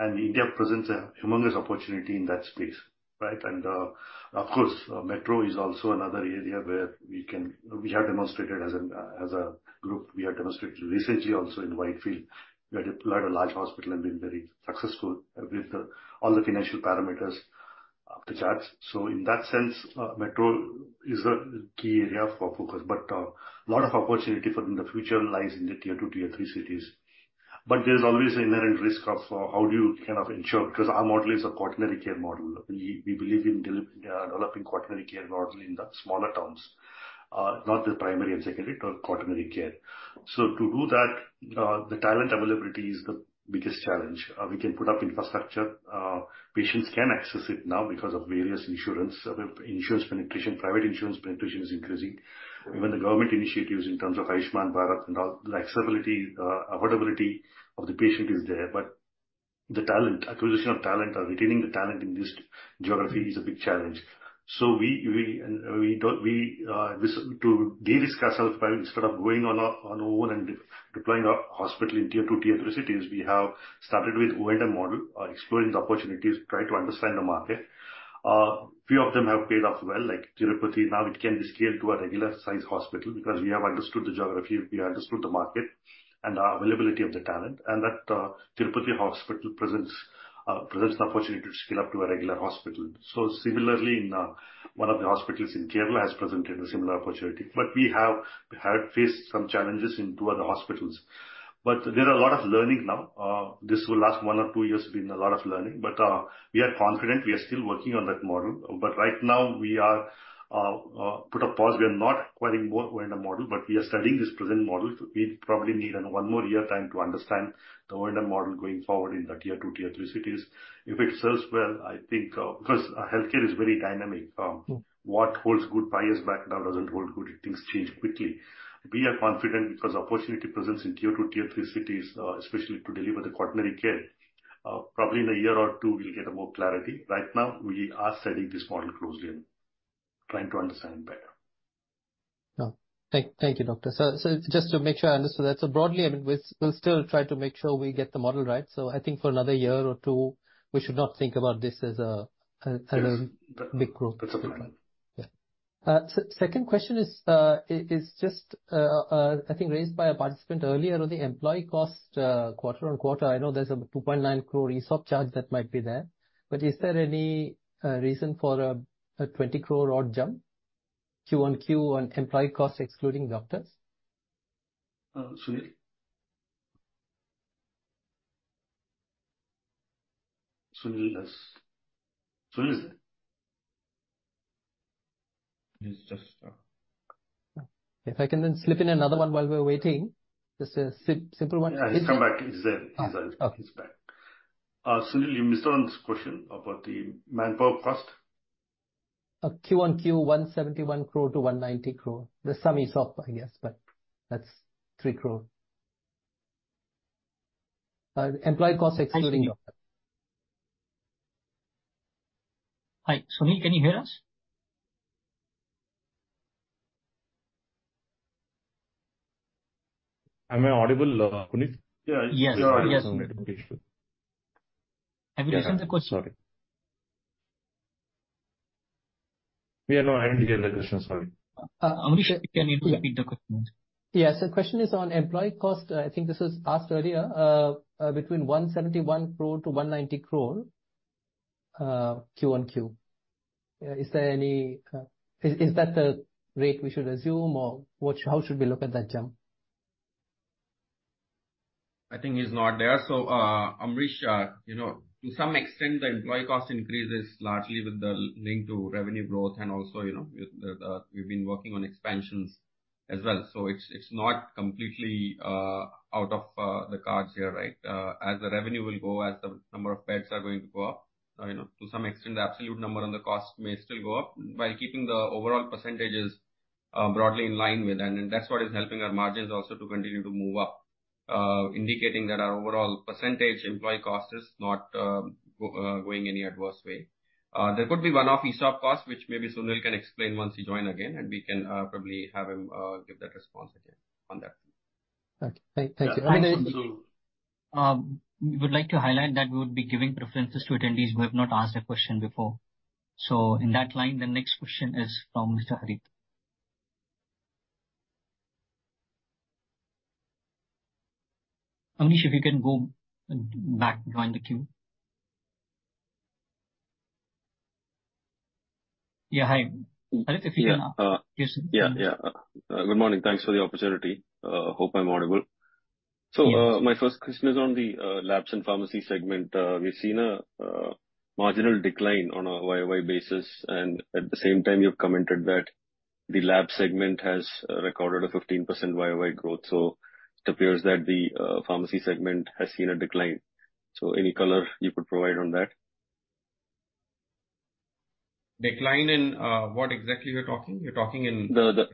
India presents a humongous opportunity in that space, right? Of course, metro is also another area where we can, we have demonstrated as a group, we have demonstrated recently also in Whitefield, we had a large hospital and been very successful with all the financial parameters off the charts. So in that sense, metro is a key area for focus. A lot of opportunity for in the future lies in the Tier 2, Tier 3 cities. But there's always an inherent risk of how do you kind of ensure, because our model is a quaternary care model. We believe in developing quaternary care model in the smaller towns, not the primary and secondary, but quaternary care. So to do that, the talent availability is the biggest challenge. We can put up infrastructure, patients can access it now because of various insurance. Insurance penetration, private insurance penetration is increasing. Even the government initiatives in terms of Ayushman Bharat and all, like, stability, affordability of the patient is there, but the talent, acquisition of talent or retaining the talent in this geography is a big challenge. So we don't go on our own and deploying our hospital in Tier 2, Tier 3 cities, we have started with O&M model, exploring the opportunities, try to understand the market. Few of them have paid off well, like Tirupati. Now it can be scaled to a regular-sized hospital because we have understood the geography, we have understood the market and the availability of the talent, and that, Tirupati Hospital presents, presents the opportunity to scale up to a regular hospital. So similarly, in, one of the hospitals in Kerala has presented a similar opportunity, but we have, have faced some challenges in two other hospitals. But there are a lot of learning now. This will last one or two years, been a lot of learning, but, we are confident we are still working on that model. But right now we are, put a pause. We are not acquiring more O&M model, but we are studying this present model. We probably need one more year time to understand the O&M model going forward in the Tier 2, Tier 3 cities. If it serves well, I think, because healthcare is very dynamic. What holds good price back now doesn't hold good, things change quickly. We are confident because opportunity presents in Tier 2, Tier 3 cities, especially to deliver the quaternary care. Probably in a year or two, we'll get a more clarity. Right now, we are studying this model closely.... Trying to understand better. No, thank you, doctor. So just to make sure I understand that, so broadly, I mean, we'll still try to make sure we get the model right. So I think for another year or two, we should not think about this as a- Yes. -big growth. That's okay. Yeah. Second question is just, I think raised by a participant earlier on the employee cost, quarter-over-quarter. I know there's a 2.9 crore ESOP charge that might be there, but is there any reason for a 20 crore odd jump Q-on-Q on employee costs, excluding doctors? Sunil? Sunil is... Sunil, is he just, If I can then slip in another one while we're waiting, just a simple one. Yeah, he's come back. He's there. Ah. He's there. Okay. He's back. Sunil, you missed on this question about the manpower cost. Q on Q, 171 crore-190 crore. The sum is off, I guess, but that's 3 crore. Employee costs excluding doctor. Hi, Sunil, can you hear us? Am I audible, Sunil? Yeah. Yes. Yes. Have you listened the question? Yeah, sorry. We are not, I didn't hear the question, sorry. Amrish, can you repeat the question? Yeah. So question is on employee cost. I think this was asked earlier, between 171 crore to 190 crore, Q on Q. Is there any... Is that the rate we should assume or what, how should we look at that jump? I think he's not there. So, Amrish, you know, to some extent, the employee cost increase is largely with the link to revenue growth and also, you know, with the, we've been working on expansions as well. So it's not completely out of the cards here, right? As the revenue will go, as the number of beds are going to go up, you know, to some extent, the absolute number on the cost may still go up while keeping the overall percentages broadly in line with, and that's what is helping our margins also to continue to move up, indicating that our overall percentage employee cost is not going any adverse way. There could be one-off ESOP cost, which maybe Sunil can explain once he join again, and we can probably have him give that response again on that. Okay. Thank you. We would like to highlight that we would be giving preferences to attendees who have not asked a question before. So in that line, the next question is from Mr. Harit. Amrish, if you can go back, join the queue. Yeah, hi. Harit, if you can, Yeah. Yes, sir. Yeah, yeah. Good morning. Thanks for the opportunity. Hope I'm audible. Yes. So, my first question is on the, labs and pharmacy segment. We've seen a, marginal decline on a YOY basis, and at the same time, you've commented that the lab segment has, recorded a 15% YOY growth. So it appears that the, pharmacy segment has seen a decline. So any color you could provide on that? Decline in, what exactly you're talking? You're talking in- The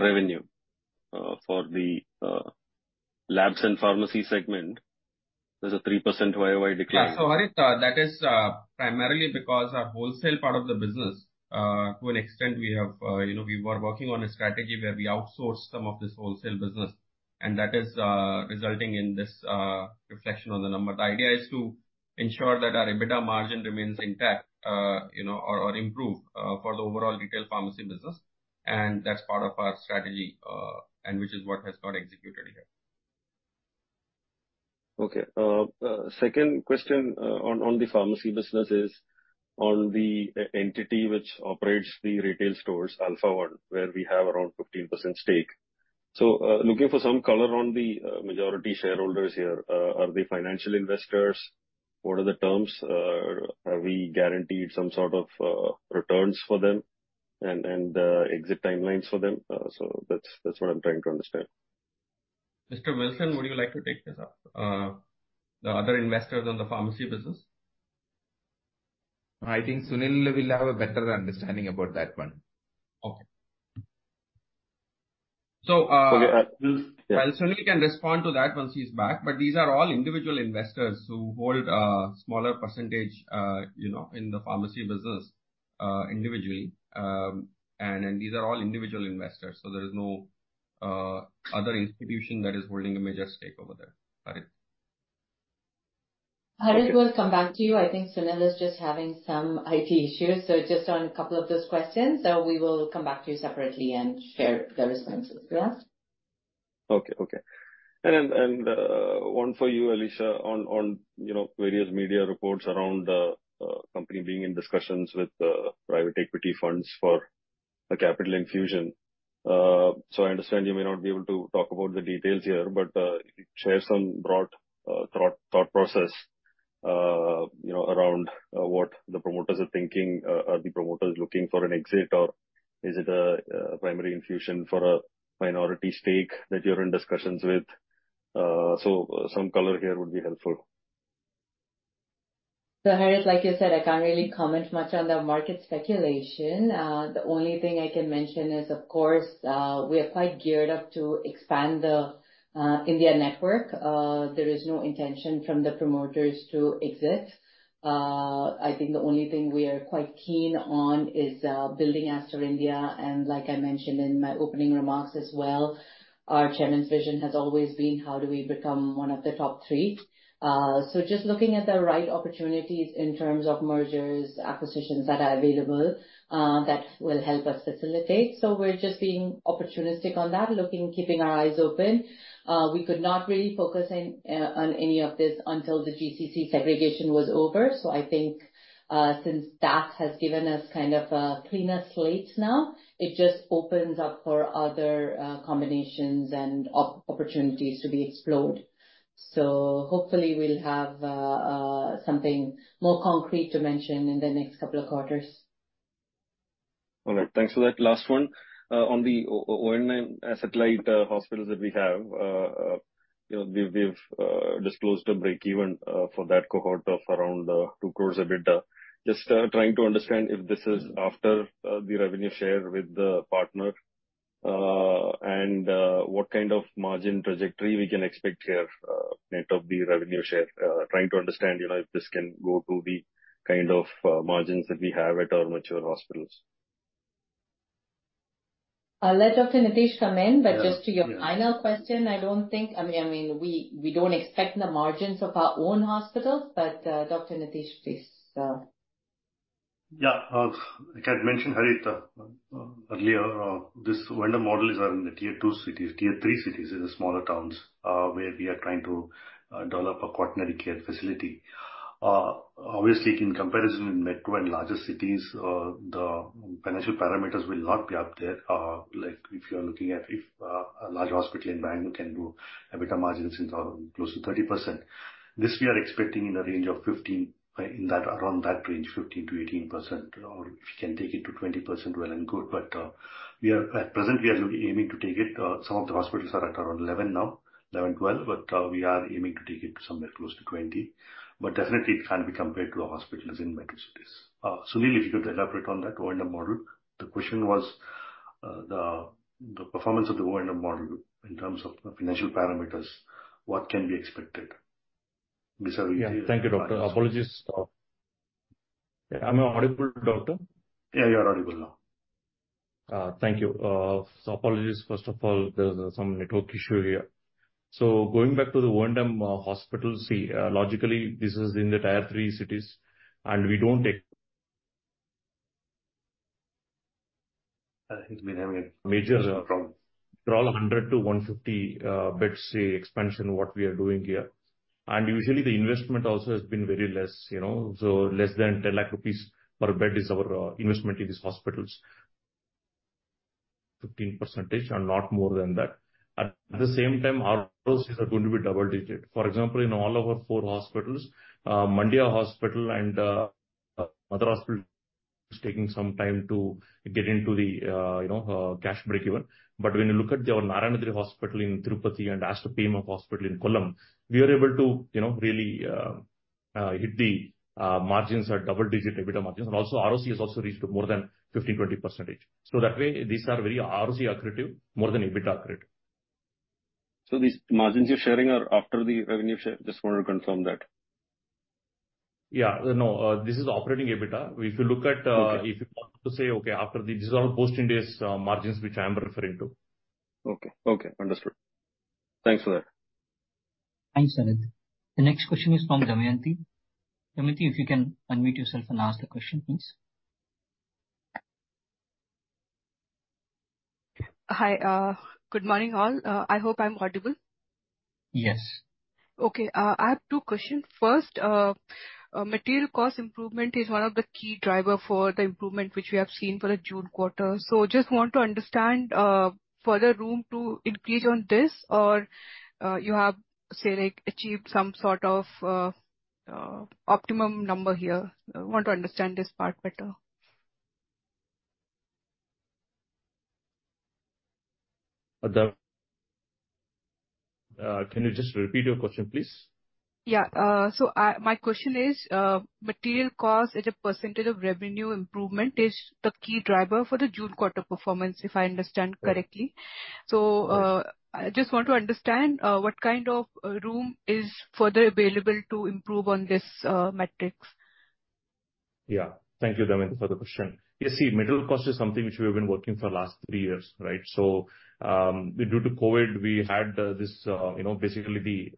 revenue for the labs and pharmacy segment, there's a 3% YOY decline. Yeah, so Harit, that is primarily because our wholesale part of the business, to an extent we have, you know, we were working on a strategy where we outsource some of this wholesale business, and that is resulting in this reflection on the number. The idea is to ensure that our EBITDA margin remains intact, you know, or improve, for the overall retail pharmacy business, and that's part of our strategy, and which is what has got executed here. Okay. Second question, on the pharmacy business, on the entity which operates the retail stores, Alfaone, where we have around 15% stake. So, looking for some color on the majority shareholders here, are they financial investors? What are the terms? Are we guaranteed some sort of returns for them and exit timelines for them? So that's what I'm trying to understand. Mr. Wilson, would you like to take this up? The other investors on the pharmacy business. I think Sunil will have a better understanding about that one. Okay. So, uh- Okay, yeah. Sunil can respond to that once he's back, but these are all individual investors who hold a smaller percentage, you know, in the pharmacy business, individually. These are all individual investors, so there is no other institution that is holding a major stake over there, Harit. Harit, we'll come back to you. I think Sunil is just having some IT issues, so just on a couple of those questions, so we will come back to you separately and share the responses. Yeah? Okay, okay. And then, one for you, Alisha, on, you know, various media reports around the company being in discussions with private equity funds for a capital infusion. So I understand you may not be able to talk about the details here, but share some broad thought process, you know, around what the promoters are thinking. Are the promoters looking for an exit, or is it a primary infusion for a minority stake that you're in discussions with? So some color here would be helpful. ...So Harit, like you said, I can't really comment much on the market speculation. The only thing I can mention is, of course, we are quite geared up to expand the India network. There is no intention from the promoters to exit. I think the only thing we are quite keen on is building Aster India, and like I mentioned in my opening remarks as well, our chairman's vision has always been: How do we become one of the top three? So just looking at the right opportunities in terms of mergers, acquisitions that are available, that will help us facilitate. So we're just being opportunistic on that, looking, keeping our eyes open. We could not really focus in on any of this until the GCC segregation was over. I think, since that has given us kind of a cleaner slate now, it just opens up for other combinations and opportunities to be explored. Hopefully, we'll have something more concrete to mention in the next couple of quarters. All right. Thanks for that. Last one, on the O&M satellite hospitals that we have, you know, we've disclosed a break even for that cohort of around 2 crore EBITDA. Just trying to understand if this is after the revenue share with the partner, and what kind of margin trajectory we can expect here, net of the revenue share. Trying to understand, you know, if this can go to the kind of margins that we have at our mature hospitals. I'll let Dr. Nitish come in. Yeah. But just to your final question, I don't think... I mean, we don't expect the margins of our own hospitals, but, Dr. Nitish, please. Yeah. Like I mentioned, Harit, earlier, this vendor model is around the Tier 2 cities, Tier 3 cities, in the smaller towns, where we are trying to develop a quaternary care facility. Obviously, in comparison with metro and larger cities, the financial parameters will not be up there. Like, if you are looking at if, a large hospital in Bangalore can do EBITDA margins in close to 30%. This, we are expecting in a range of fifteen, in that, around that range, 15%-18%, or if we can take it to 20%, well and good. But, we are, at present, we are aiming to take it, some of the hospitals are at around 11 now, 11, 12, but, we are aiming to take it somewhere close to 20. Definitely, it can't be compared to a hospital as in metro cities. Sunil, if you could elaborate on that O&M model. The question was, the performance of the O&M model in terms of the financial parameters, what can be expected vis-a-vis the- Yeah. Thank you, doctor. Apologies. Am I audible, doctor? Yeah, you are audible now. Thank you. So apologies, first of all, there's some network issue here. So going back to the O&M hospitals, see, logically, this is in the Tier 3 cities, and we don't take... He's been having a major problem. For 100-150 beds, say, expansion, what we are doing here, and usually the investment also has been very less, you know, so less than 10 lakh rupees per bed is our investment in these hospitals. 15% and not more than that. At the same time, our ROCEs are going to be double-digit. For example, in all of our 4 hospitals, Mandya Hospital and other hospital is taking some time to get into the, you know, cash break-even. But when you look at our Aster Narayanadri Hospital in Tirupati and Aster PMF Hospital in Kollam, we are able to, you know, really hit the margins are double-digit EBITDA margins, and also ROCE has also reached more than 15%-20%. So that way, these are very ROCE accretive, more than EBITDA accretive. So these margins you're sharing are after the revenue share? Just want to confirm that. Yeah. No, this is operating EBITDA. If you look at- Okay. If you want to say, okay, after the, these are all post-index margins, which I am referring to. Okay. Okay, understood. Thanks for that. Thanks, Harit. The next question is from Damayanti. Damayanti, if you can unmute yourself and ask the question, please. Hi, good morning, all. I hope I'm audible. Yes. Okay, I have two questions. First, material cost improvement is one of the key driver for the improvement, which we have seen for the June quarter. So just want to understand, further room to increase on this, or, you have, say, like, achieved some sort of, optimum number here? I want to understand this part better. Damayanti, can you just repeat your question, please? Yeah. So, my question is, material cost as a percentage of revenue improvement is the key driver for the June quarter performance, if I understand correctly. Yes. I just want to understand what kind of room is further available to improve on this metrics? Yeah. Thank you, Damayanti, for the question. You see, material cost is something which we have been working for last three years, right? So, due to COVID, we had, this, you know, basically the,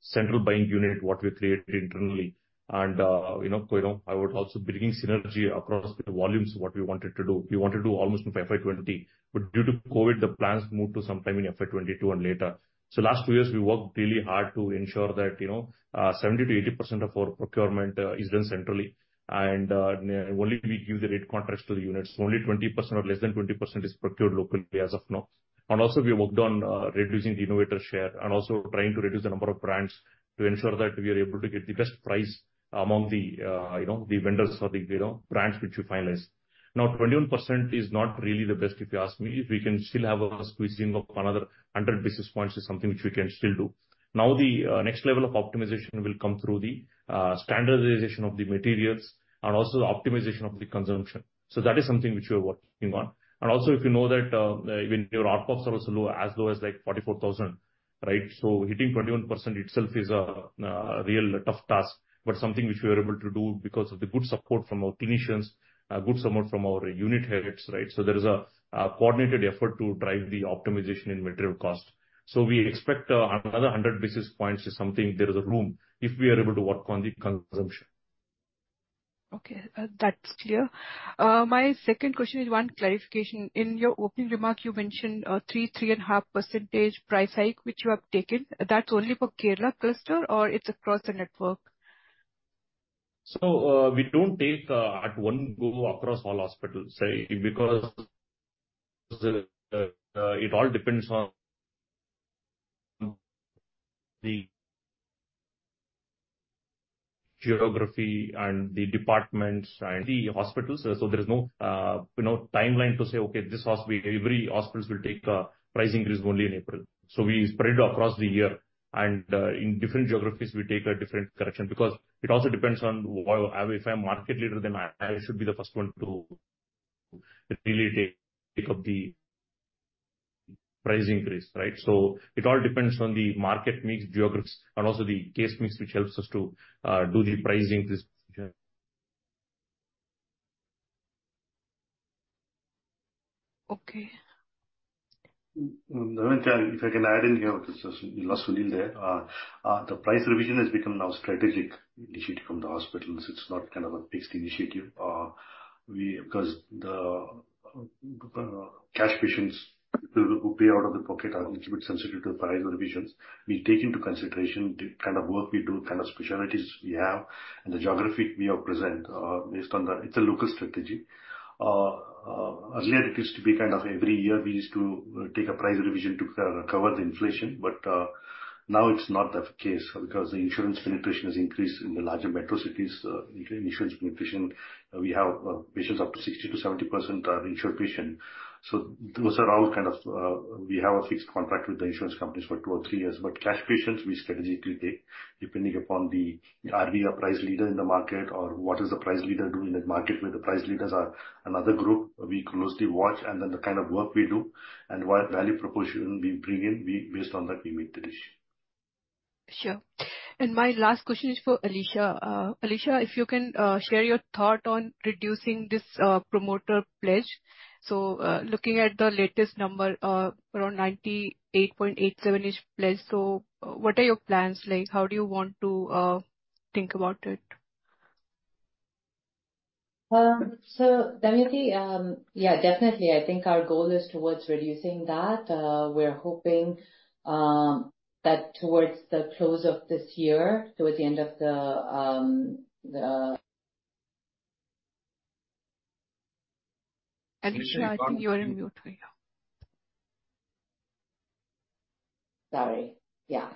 central buying unit, what we created internally. And, you know, you know, I would also bringing synergy across the volumes, what we wanted to do. We wanted to do almost in FY 2020, but due to COVID, the plans moved to sometime in FY 2022 and later. So last two years, we worked really hard to ensure that, you know, 70%-80% of our procurement, is done centrally, and, only we give the rate contracts to the units. Only 20% or less than 20% is procured locally as of now. And also, we worked on, reducing the innovator share, and also trying to reduce the number of brands to ensure that we are able to get the best price among the, you know, the vendors or the, you know, brands which we finalize. Now, 21% is not really the best if you ask me. We can still have a squeezing of another 100 basis points is something which we can still do.... Now the next level of optimization will come through the standardization of the materials and also the optimization of the consumption. So that is something which we are working on. And also, if you know that even ARPOB is also low, as low as, like, 44,000, right? So hitting 21% itself is a real tough task, but something which we are able to do because of the good support from our clinicians, good support from our unit heads, right? So there is a coordinated effort to drive the optimization in material cost. So we expect another 100 basis points is something there is room if we are able to work on the consumption. Okay, that's clear. My second question is one clarification. In your opening remark, you mentioned 3.5% price hike, which you have taken. That's only for Kerala cluster, or it's across the network? So, we don't take, at one go across all hospitals, right? Because, it all depends on the geography and the departments and the hospitals. So there is no, you know, timeline to say, "Okay, this hospital, every hospitals will take a price increase only in April." So we spread it across the year, and, in different geographies, we take a different correction. Because it also depends on why... If I'm market leader, then I, I should be the first one to really take, take up the price increase, right? So it all depends on the market mix, geographies, and also the case mix, which helps us to, do the pricing this year. Okay. If I can add in here, this is Sunil there. The price revision has become now strategic initiative from the hospitals. It's not kind of a fixed initiative. We, because the cash patients who pay out of the pocket are a little bit sensitive to the price revisions, we take into consideration the kind of work we do, kind of specialties we have, and the geography we are present. Based on that, it's a local strategy. Earlier it used to be kind of every year we used to take a price revision to cover the inflation, but now it's not the case, because the insurance penetration has increased in the larger metro cities. Insurance penetration, we have patients up to 60%-70% are insured patient. So those are all kind of we have a fixed contract with the insurance companies for two or three years. But cash patients, we strategically take, depending upon the, are we a price leader in the market, or what is the price leader do in that market where the price leaders are another group, we closely watch, and then the kind of work we do and what value proposition we bring in. We, based on that, we make the decision. Sure. My last question is for Alisha. Alisha, if you can share your thought on reducing this promoter pledge. So, looking at the latest number, around 98.87-ish pledge. So what are your plans like? How do you want to think about it? So, Damayanti, yeah, definitely, I think our goal is towards reducing that. We're hoping that towards the close of this year, towards the end of the... Alisha, I think you're on mute. Sorry. Yeah.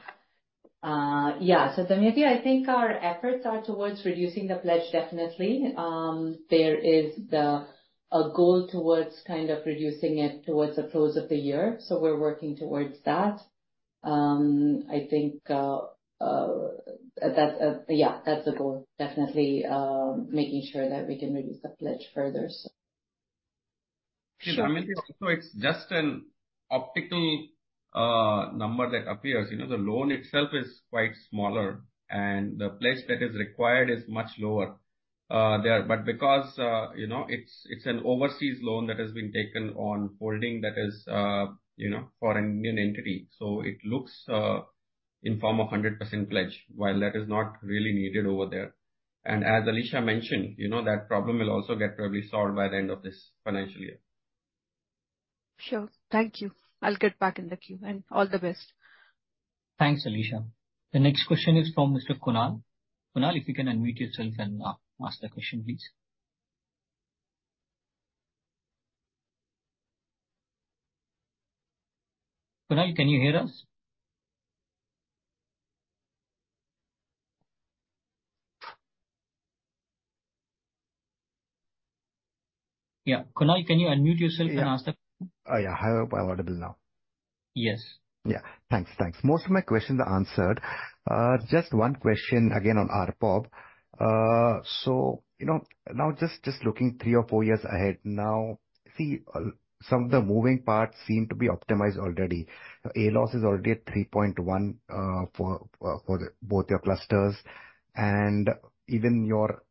Yeah, so, Damayanti, I think our efforts are towards reducing the pledge definitely. There is a goal towards kind of reducing it towards the close of the year, so we're working towards that. I think, yeah, that's the goal. Definitely, making sure that we can reduce the pledge further so. Sure, Damayanti, so it's just an optical number that appears. You know, the loan itself is quite smaller, and the pledge that is required is much lower there. But because, you know, it's, it's an overseas loan that has been taken on holding that is, you know, for an Indian entity. So it looks, in form of 100% pledge, while that is not really needed over there. And as Alisha mentioned, you know, that problem will also get probably solved by the end of this financial year. Sure. Thank you. I'll get back in the queue, and all the best. Thanks, Alisha. The next question is from Mr. Kunal. Kunal, if you can unmute yourself and ask the question, please. Kunal, can you hear us? Yeah, Kunal, can you unmute yourself and ask the- Yeah, I am audible now. Yes. Yeah. Thanks. Thanks. Most of my questions are answered. Just one question again on ARPOB. So, you know, now just looking 3 or 4 years ahead now, see, some of the moving parts seem to be optimized already. ALOS is already at 3.1, for both your clusters, and even your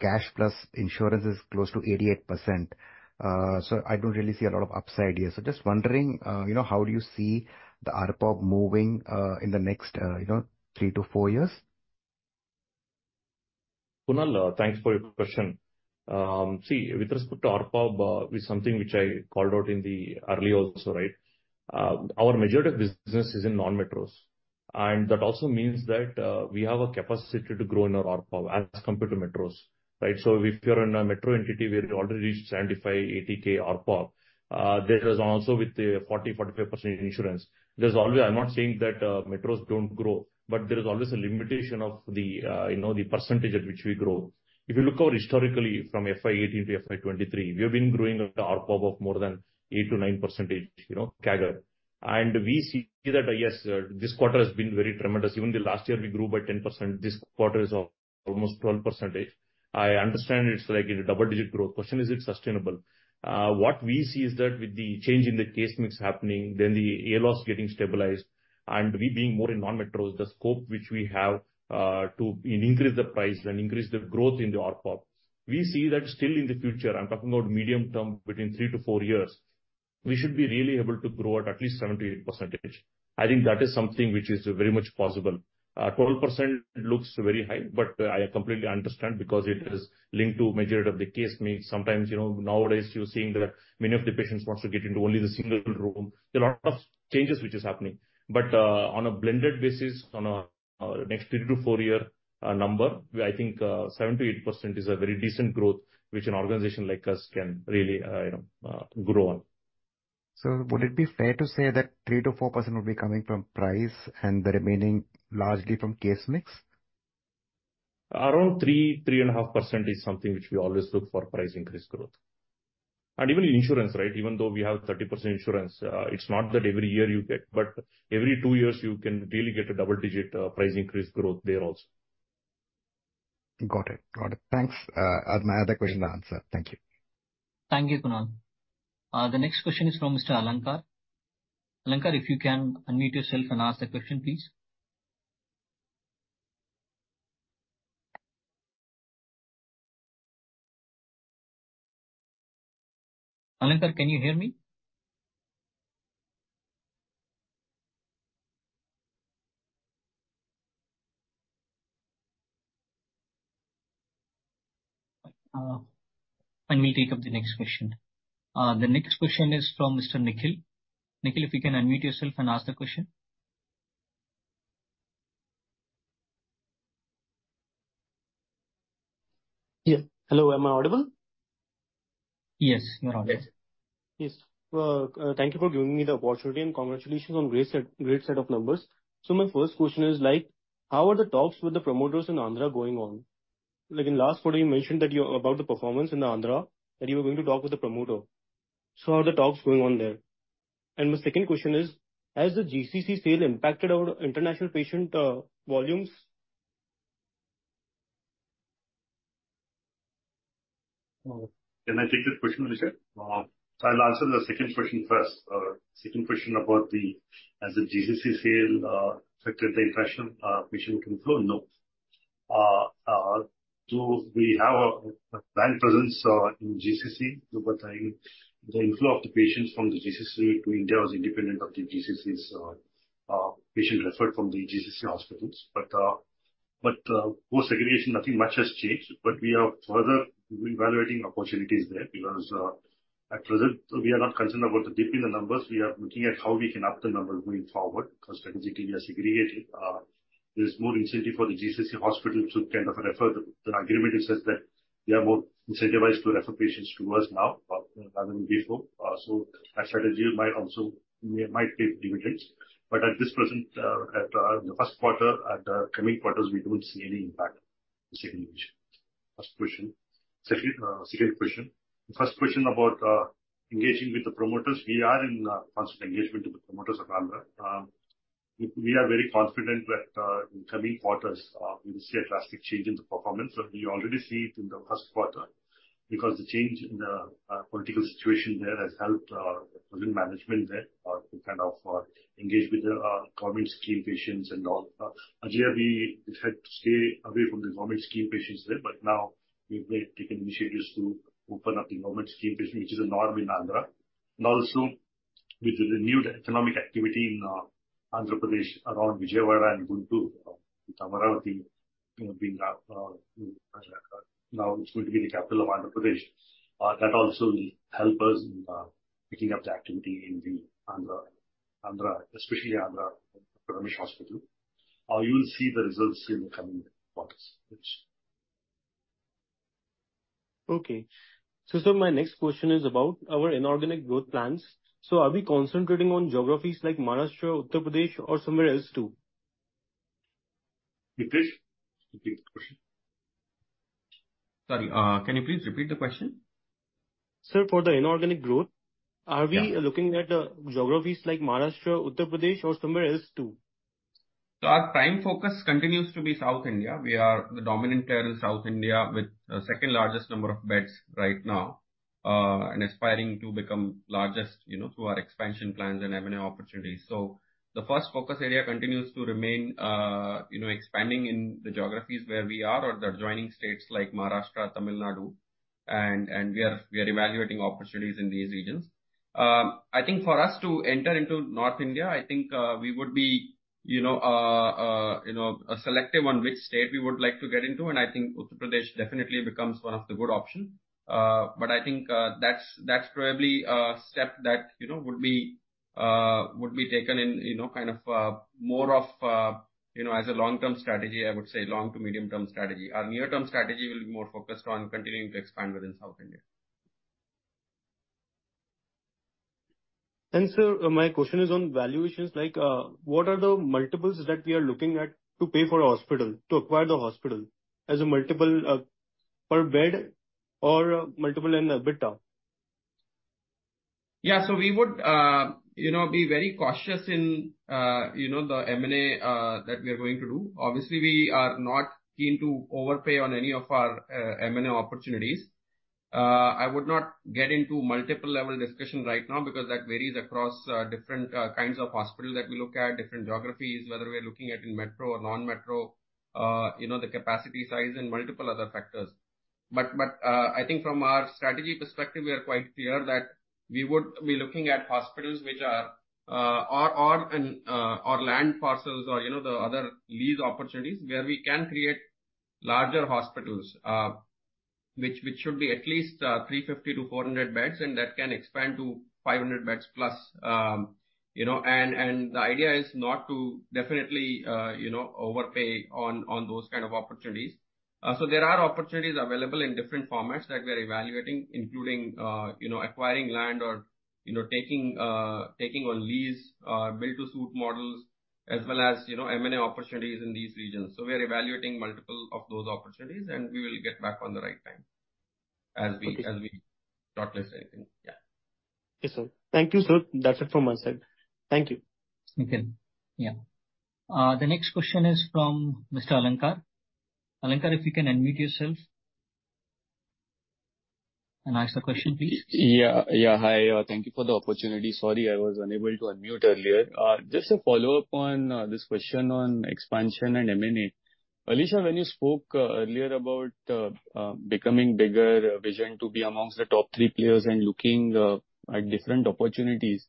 cash plus insurance is close to 88%. So I don't really see a lot of upside here. So just wondering, you know, how do you see the ARPOB moving in the next, you know, 3-4 years? Kunal, thanks for your question. See, with respect to ARPOB, is something which I called out in the earlier also, right? Our majority of business is in non-metros, and that also means that we have a capacity to grow in our ARPOB as compared to metros, right? So if you're in a metro entity, we have already reached INR 75K-80K ARPOB. That is also with the 40-45% insurance. There's always... I'm not saying that metros don't grow, but there is always a limitation of the you know, the percentage at which we grow. If you look over historically from FY 2018 to FY 2023, we have been growing at a ARPOB of more than 8%-9%, you know, CAGR. And we see that, yes, this quarter has been very tremendous. Even the last year, we grew by 10%. This quarter is almost 12%. ... I understand it's like in a double-digit growth. Question: is it sustainable? What we see is that with the change in the case mix happening, then the ALOS getting stabilized, and we being more in non-metros, the scope which we have, to in increase the price and increase the growth in the ARPOB, we see that still in the future, I'm talking about medium term, between 3-4 years, we should be really able to grow at at least 78%. I think that is something which is very much possible. Twelve percent looks very high, but I completely understand because it is linked to majority of the case mix. Sometimes, you know, nowadays, you're seeing that many of the patients wants to get into only the single room. There are a lot of changes which is happening. But on a blended basis, on a next 3-4 year number, I think 7%-8% is a very decent growth, which an organization like us can really, you know, grow on. Would it be fair to say that 3%-4% will be coming from price and the remaining largely from case mix? Around 3%-3.5% is something which we always look for price increase growth. And even insurance, right? Even though we have 30% insurance, it's not that every year you get, but every two years you can really get a double-digit price increase growth there also. Got it. Got it. Thanks. My other question answered. Thank you. Thank you, Kunal. The next question is from Mr. Alankar. Alankar, if you can unmute yourself and ask the question, please. Alankar, can you hear me? Then we'll take up the next question. The next question is from Mr. Nikhil. Nikhil, if you can unmute yourself and ask the question. Yeah. Hello, am I audible? Yes, you are audible. Yes. Thank you for giving me the opportunity, and congratulations on great set, great set of numbers. So my first question is, like, how are the talks with the promoters in Andhra going on? Like, in last quarter, you mentioned that you-- about the performance in Andhra, that you were going to talk with the promoter. So how are the talks going on there? And my second question is: has the GCC sale impacted our international patient volumes? Can I take this question, Nitish? So I'll answer the second question first. Second question about the has the GCC sale affected the international patient inflow? No. So we have a brand presence in GCC. Over time, the inflow of the patients from the GCC to India was independent of the GCC's patient referred from the GCC hospitals. But post aggregation, nothing much has changed, but we are further evaluating opportunities there, because at present, we are not concerned about the dip in the numbers. We are looking at how we can up the numbers moving forward, because strategically we are segregated. There's more incentive for the GCC hospital to kind of refer the... The agreement it says that they are more incentivized to refer patients to us now than before. So that strategy might also might take few months. But at this present, the first quarter, at the coming quarters, we don't see any impact to GCC patient. First question. Second, second question. The first question about engaging with the promoters. We are in constant engagement with the promoters of Andhra. We are very confident that in coming quarters we will see a drastic change in the performance. We already see it in the first quarter. Because the change in the political situation there has helped the present management there to kind of engage with the government scheme patients and all. Earlier we had to stay away from the government scheme patients there, but now we've taken initiatives to open up the government scheme patient, which is a norm in Andhra. Also, with the renewed economic activity in Andhra Pradesh, around Vijayawada and Guntur, Amaravati, being now it's going to be the capital of Andhra Pradesh. That also will help us in picking up the activity in the Andhra, especially Andhra Pradesh Hospital. You will see the results in the coming quarters, which... Okay. So, sir, my next question is about our inorganic growth plans. So are we concentrating on geographies like Maharashtra, Uttar Pradesh, or somewhere else, too? Nitish, repeat the question. Sorry, can you please repeat the question? Sir, for the inorganic growth- Yeah. Are we looking at geographies like Maharashtra, Uttar Pradesh, or somewhere else, too? So our prime focus continues to be South India. We are the dominant player in South India with the second largest number of beds right now, and aspiring to become largest, you know, through our expansion plans and M&A opportunities. So the first focus area continues to remain, you know, expanding in the geographies where we are or the adjoining states like Maharashtra, Tamil Nadu, and we are evaluating opportunities in these regions. I think for us to enter into North India, I think, we would be, you know, you know, selective on which state we would like to get into, and I think Uttar Pradesh definitely becomes one of the good option. But I think that's probably a step that, you know, would be taken in, you know, kind of more of, you know, as a long-term strategy, I would say long- to medium-term strategy. Our near-term strategy will be more focused on continuing to expand within South India. Sir, my question is on valuations, like, what are the multiples that we are looking at to pay for a hospital, to acquire the hospital as a multiple, per bed or multiple in EBITDA?... Yeah, so we would, you know, be very cautious in, you know, the M&A that we are going to do. Obviously, we are not keen to overpay on any of our, M&A opportunities. I would not get into multiple level discussion right now, because that varies across, different kinds of hospitals that we look at, different geographies, whether we're looking at in metro or non-metro, you know, the capacity size and multiple other factors. But, I think from our strategy perspective, we are quite clear that we would be looking at hospitals which are in or land parcels or, you know, the other lease opportunities where we can create larger hospitals. Which should be at least 350-400 beds, and that can expand to 500 beds plus. You know, the idea is not to definitely you know, overpay on those kind of opportunities. So there are opportunities available in different formats that we are evaluating, including you know, acquiring land or you know, taking on lease, build-to-suit models, as well as you know, M&A opportunities in these regions. So we are evaluating multiple of those opportunities, and we will get back on the right time as we- Okay. As we shortlist anything. Yeah. Yes, sir. Thank you, sir. That's it from my side. Thank you. Okay. Yeah. The next question is from Mr. Alankar. Alankar, if you can unmute yourself and ask the question, please. Yeah, yeah. Hi, thank you for the opportunity. Sorry, I was unable to unmute earlier. Just a follow-up on this question on expansion and M&A. Alisha, when you spoke earlier about becoming bigger, vision to be amongst the top three players and looking at different opportunities,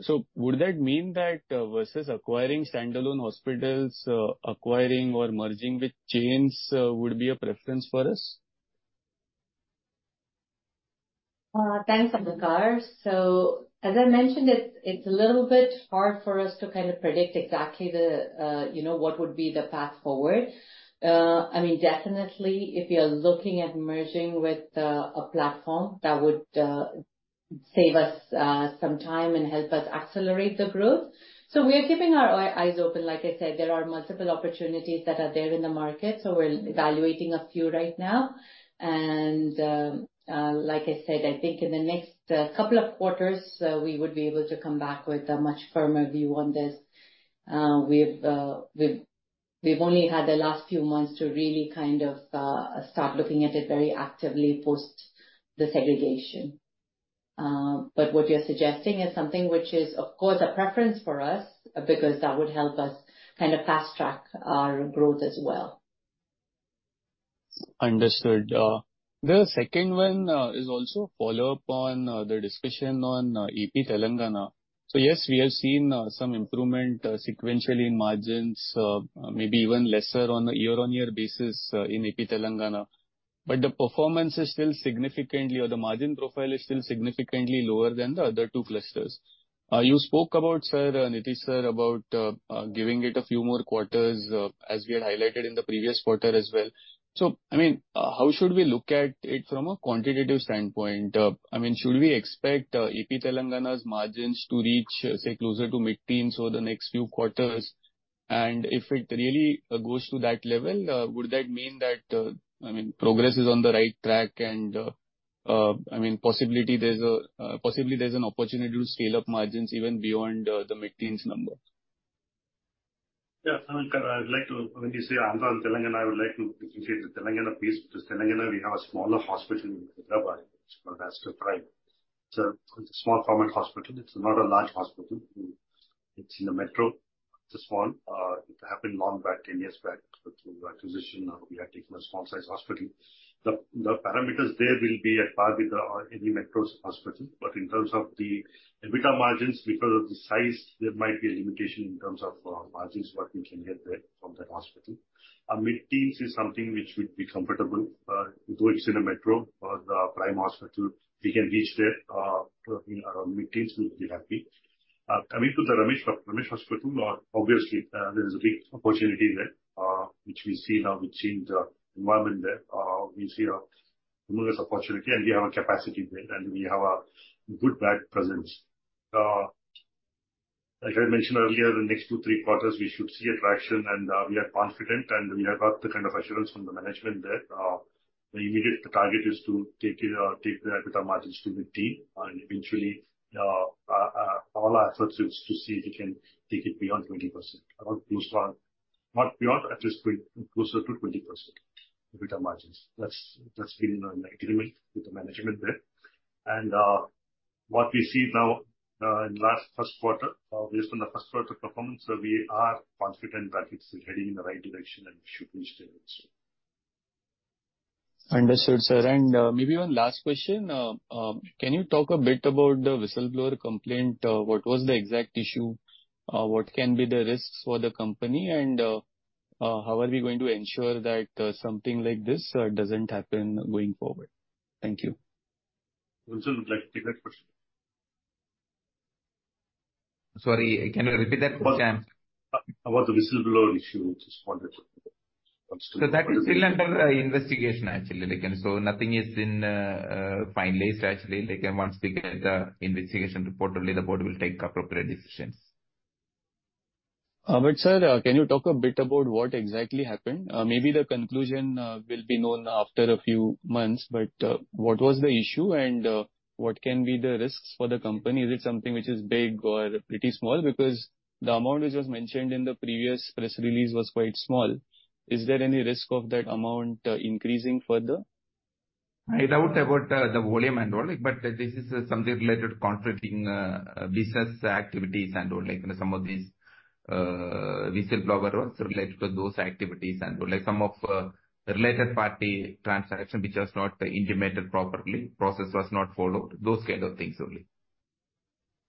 so would that mean that versus acquiring standalone hospitals, acquiring or merging with chains would be a preference for us? Thanks, Alankar. So as I mentioned, it's a little bit hard for us to kind of predict exactly the, you know, what would be the path forward. I mean, definitely, if you are looking at merging with a platform, that would save us some time and help us accelerate the growth. So we are keeping our eyes open. Like I said, there are multiple opportunities that are there in the market, so we're evaluating a few right now. And like I said, I think in the next couple of quarters, we would be able to come back with a much firmer view on this. We've only had the last few months to really kind of start looking at it very actively post the segregation. But what you're suggesting is something which is, of course, a preference for us, because that would help us kind of fast-track our growth as well. Understood. The second one is also a follow-up on the discussion on AP Telangana. So yes, we have seen some improvement sequentially in margins, maybe even lesser on a year-on-year basis in AP Telangana. But the performance is still significantly, or the margin profile is still significantly lower than the other two clusters. You spoke about, sir, Nitish, sir, about giving it a few more quarters as we had highlighted in the previous quarter as well. So, I mean, how should we look at it from a quantitative standpoint? I mean, should we expect AP Telangana's margins to reach, say, closer to mid-teens over the next few quarters? If it really goes to that level, would that mean that, I mean, progress is on the right track and, I mean, possibly there's an opportunity to scale up margins even beyond the mid-teens number? Yeah, Alankar, I'd like to... When you say Andhra and Telangana, I would like to specifically the Telangana piece, because Telangana, we have a smaller hospital in Hyderabad. It's called Aster Prime. It's a, it's a small format hospital. It's not a large hospital. It's in the metro. It's small. It happened long back, 10 years back, with the acquisition, we had taken a small-sized hospital. The, the parameters there will be at par with, any metros hospital. But in terms of the EBITDA margins, because of the size, there might be a limitation in terms of, margins, what we can get there from that hospital. Our mid-teens is something which we'd be comfortable. Though it's in a metro, the prime hospital, we can reach there, around mid-teens, we'll be happy. Coming to the Ramesh Hospitals, obviously, there is a big opportunity there, which we see now we've seen the environment there. We see an enormous opportunity, and we have a capacity there, and we have a good bed presence. Like I mentioned earlier, the next two, three quarters, we should see a traction, and we are confident, and we have got the kind of assurance from the management there. The immediate target is to take it, take the EBITDA margins to mid-teen, and eventually, all our efforts is to see if we can take it beyond 20%. Not close to one, not beyond, at least pretty closer to 20% EBITDA margins. That's, that's been, in agreement with the management there. What we see now, in last first quarter, based on the first quarter performance, so we are confident that it's heading in the right direction and should reach there soon. Understood, sir. And, maybe one last question. Can you talk a bit about the whistleblower complaint? What was the exact issue? What can be the risks for the company? And, how are we going to ensure that something like this doesn't happen going forward? Thank you. Who would like to take that question? Sorry, can you repeat that question? About the whistleblower issue, which is- So that is still under investigation, actually, like and so nothing is finalized actually. Like, once we get the investigation report only the board will take appropriate decisions. ... but sir, can you talk a bit about what exactly happened? Maybe the conclusion will be known after a few months, but what was the issue, and what can be the risks for the company? Is it something which is big or pretty small? Because the amount which was mentioned in the previous press release was quite small. Is there any risk of that amount increasing further? I doubt about the volume and all, but this is something related to contracting business activities and all, like some of these whistleblower was related to those activities, and like some of the related party transaction which was not intimated properly, process was not followed, those kind of things only.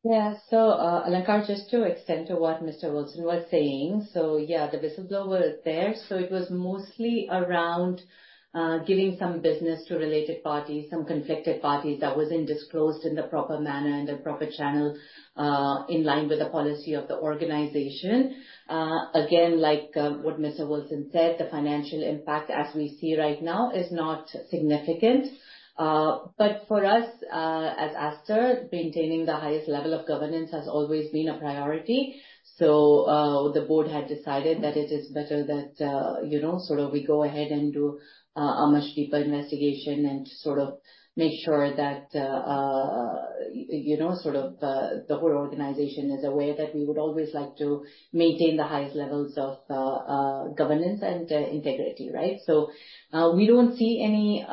Yeah. So, Alankar, just to extend to what Mr. Wilson was saying, so yeah, the whistleblower is there. So it was mostly around, giving some business to related parties, some conflicted parties, that wasn't disclosed in the proper manner and the proper channel, in line with the policy of the organization. Again, like, what Mr. Wilson said, the financial impact as we see right now is not significant. But for us, as Aster, maintaining the highest level of governance has always been a priority. So, the board had decided that it is better that, you know, sort of we go ahead and do a much deeper investigation and sort of make sure that, you know, sort of, the whole organization is aware that we would always like to maintain the highest levels of, governance and, integrity, right? So, we don't see any,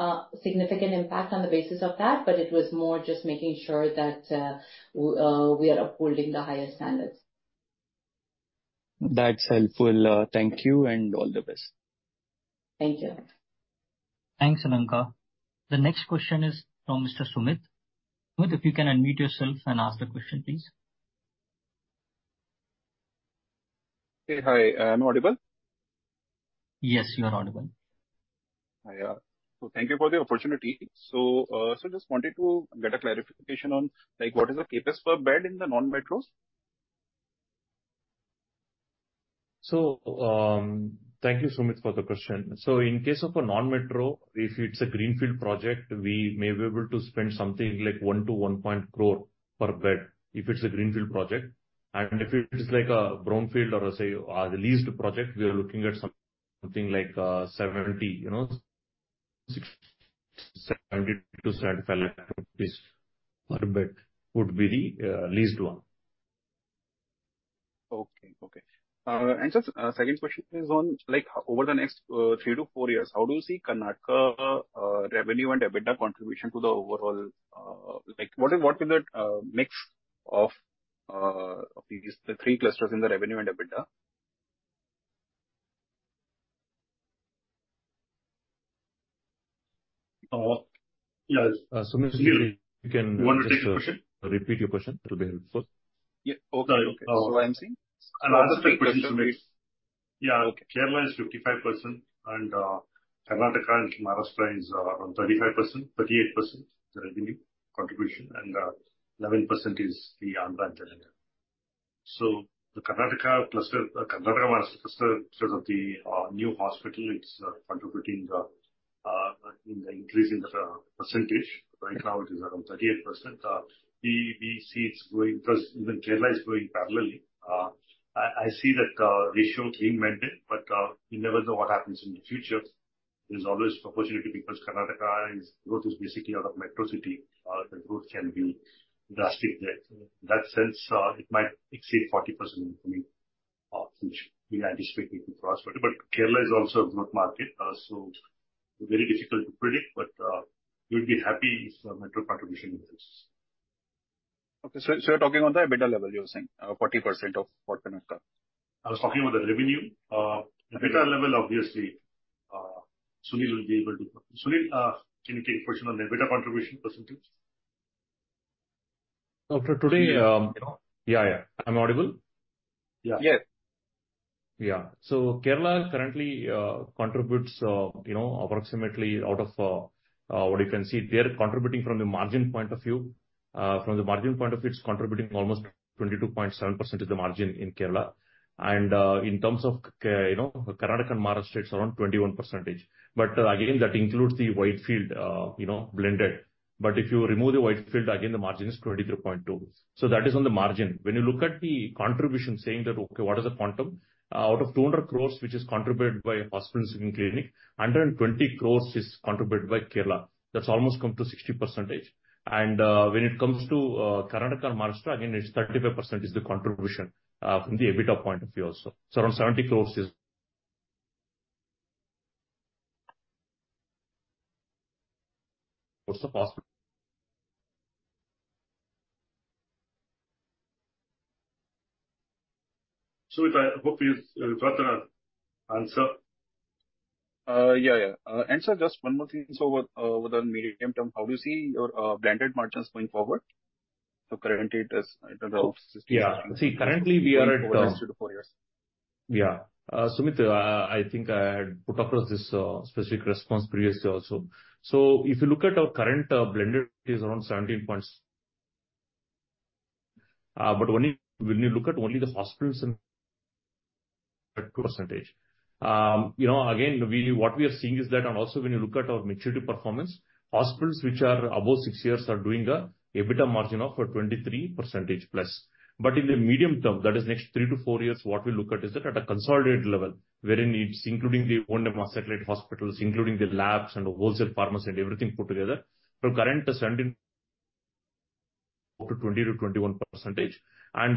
significant impact on the basis of that, but it was more just making sure that, we are upholding the higher standards. That's helpful. Thank you, and all the best. Thank you. Thanks, Alankar. The next question is from Mr. Sumit. Sumit, if you can unmute yourself and ask the question, please. Hey. Hi, I'm audible? Yes, you are audible. So thank you for the opportunity. So just wanted to get a clarification on, like, what is the CapEx per bed in the non-metros? So, thank you, Sumit, for the question. In case of a non-metro, if it's a greenfield project, we may be able to spend something like 1-1 crore per bed, if it's a greenfield project. And if it is like a brownfield or, say, a leased project, we are looking at something like 70, you know, 60-75 lakh per bed, would be the leased one. Okay. Okay. And just, second question is on, like, over the next 3-4 years, how do you see Karnataka, revenue and EBITDA contribution to the overall... Like, what is, what is the, mix of, of these, the 3 clusters in the revenue and EBITDA? Yes, Sumit, you can- You want to take the question? Repeat your question, it'll be helpful. Yeah. Okay. Okay. I'm saying- Yeah, okay. Kerala is 55%, and Karnataka and Maharashtra is around 35%, 38%, the revenue contribution, and 11% is the Andhra and Telangana. So the Karnataka cluster, Karnataka, Maharashtra cluster, because of the new hospital, it's contributing in the increase in the percentage. Right now, it is around 38%. We see it's growing because even Kerala is growing parallelly. I see that ratio remaining, but you never know what happens in the future. There's always opportunity because Karnataka is, growth is basically out of metro city, the growth can be drastic there. In that sense, it might exceed 40% in which we are anticipating for us. But Kerala is also a growth market, so very difficult to predict, but we'll be happy if metro contribution increases. Okay. So you're talking on the EBITDA level, you're saying 40% of Karnataka? I was talking about the revenue. The EBITDA level, obviously, Sunil will be able to... Sunil, can you take a question on the EBITDA contribution percentage? After today, yeah, yeah. I'm audible? Yeah. Yes. Yeah. So Kerala currently contributes, you know, approximately out of what you can see, they are contributing from the margin point of view. From the margin point of view, it's contributing almost 22.7% of the margin in Kerala. And in terms of, you know, Karnataka and Maharashtra, it's around 21%. But again, that includes the Whitefield, you know, blended. But if you remove the Whitefield, again, the margin is 23.2. So that is on the margin. When you look at the contribution saying that, okay, what is the quantum? Out of 200 crores, which is contributed by hospitals in clinic, 120 crores is contributed by Kerala. That's almost come to 60%. When it comes to Karnataka and Maharashtra, again, it's 35% is the contribution from the EBITDA point of view also. So around 70 crore is... I hope you've got an answer. Yeah, yeah. And sir, just one more thing. So with, with the medium term, how do you see your, blended margins going forward? So currently it is in terms of sixty- Yeah. See, currently we are at- Four years. Yeah. Sumit, I think I had put across this specific response previously also. So if you look at our current blended is around 17 points. But only, when you look at only the hospitals percentage. You know, again, we, what we are seeing is that, and also when you look at our maturity performance, hospitals which are above 6 years are doing a EBITDA margin of 23%+. But in the medium term, that is next 3-4 years, what we look at is that at a consolidated level, wherein it's including the owned satellite hospitals, including the labs and wholesale pharmacy, and everything put together, from current percent in to 20%-21%.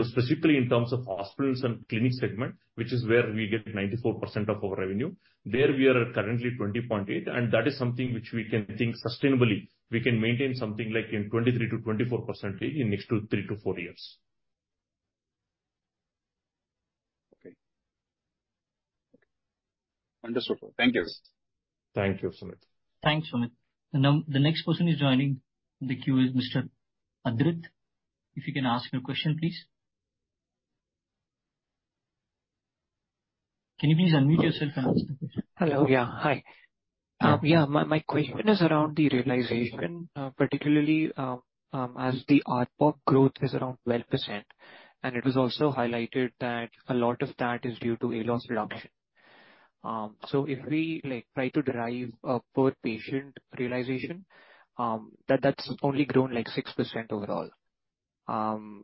Specifically in terms of hospitals and clinic segment, which is where we get 94% of our revenue, there we are currently 20.8, and that is something which we can think sustainably. We can maintain something like 23%-24% in next 3-4 years. Okay. Understood, sir. Thank you. Thank you, Sumit. Thanks, Sumit. And now, the next person who's joining the queue is Mr. Adrit. If you can ask your question, please. Can you please unmute yourself and ask the question? Hello. Yeah, hi. Yeah, my question is around the realization, particularly, as the RPOC growth is around 12%, and it was also highlighted that a lot of that is due to ALOS reduction. So if we, like, try to derive a per-patient realization, that's only grown like 6% overall. In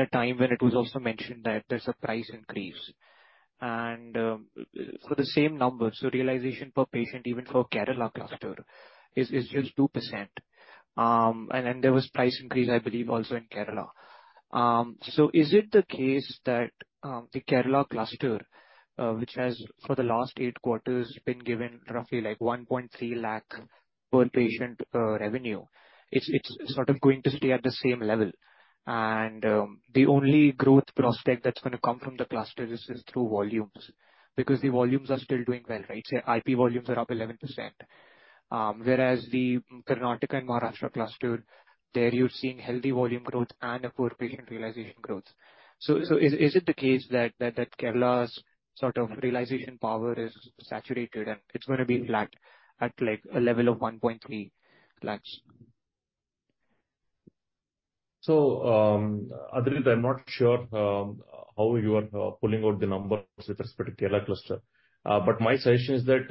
a time when it was also mentioned that there's a price increase. And, for the same number, so realization per patient even for Kerala cluster is just 2%. And there was price increase, I believe, also in Kerala. So is it the case that the Kerala cluster, which has for the last eight quarters been given roughly like 1.3 lakh per patient revenue, it's sort of going to stay at the same level? The only growth prospect that's gonna come from the cluster is through volumes, because the volumes are still doing well, right? Say, IP volumes are up 11%. Whereas the Karnataka and Maharashtra cluster, there you're seeing healthy volume growth and a per patient realization growth. So, is it the case that Kerala's sort of realization power is saturated, and it's gonna be flat at, like, a level of 1.3 lakh? So, Adrit, I'm not sure how you are pulling out the numbers with respect to Kerala cluster. But my suggestion is that,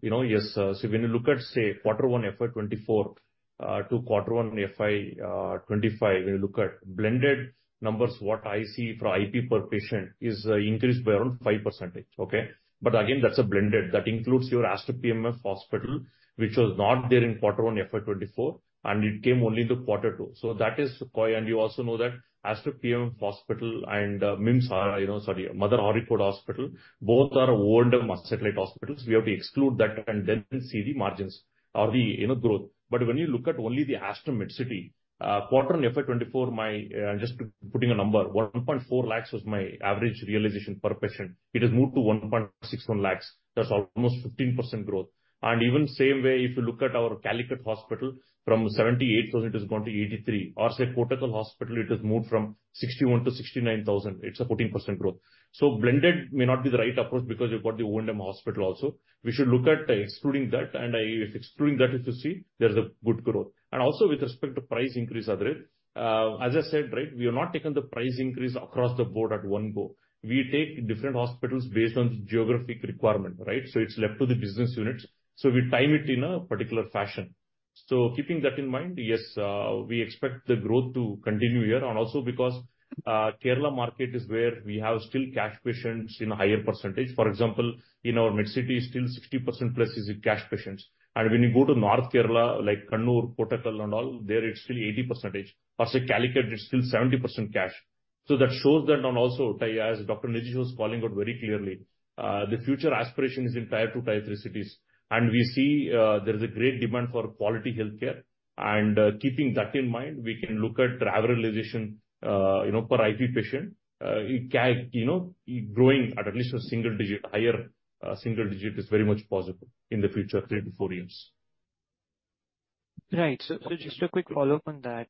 you know, yes, so when you look at, say, quarter 1 FY 2024 to quarter 1 FY 2025, when you look at blended numbers, what I see for IP per patient is increased by around 5%. Okay? But again, that's a blended. That includes your Aster PMF Hospital, which was not there in quarter 1 FY 2024, and it came only into quarter 2. So that is why. And you also know that Aster PMF Hospital and MIMS, you know, sorry, Aster Mother Hospital, both are owned by satellite hospitals. We have to exclude that and then see the margins or the, you know, growth. But when you look at only the Aster Medcity, quarter FY 2024, I'm just putting a number, 1.4 lakhs was my average realization per patient. It has moved to 1.61 lakhs. That's almost 15% growth. And even same way, if you look at our Calicut hospital, from 78,000, it has gone to 83,000. Or, say, Kottakkal hospital, it has moved from 61,000 to 69,000. It's a 14% growth. So blended may not be the right approach because you've got the owned hospital also. We should look at excluding that, and, excluding that, if you see, there's a good growth. And also with respect to price increase, Adrit, as I said, right, we have not taken the price increase across the board at one go. We take different hospitals based on geographic requirement, right? It's left to the business units. We time it in a particular fashion. Keeping that in mind, yes, we expect the growth to continue here, and also because Kerala market is where we have still cash patients in a higher percentage. For example, in our MedCity, still 60%+ is cash patients. And when you go to North Kerala, like Kannur, Kottakkal and all, there it's still 80%. Or, say, Calicut, it's still 70% cash. So that shows that, and also, as Dr. Nitish was calling out very clearly, the future aspiration is in Tier 2, Tier 3 cities. And we see, there is a great demand for quality healthcare, and, keeping that in mind, we can look at the average realization, you know, per IP patient. It can, you know, growing at least a single digit, higher single digit is very much possible in the future, 3-4 years. Right. So just a quick follow-up on that.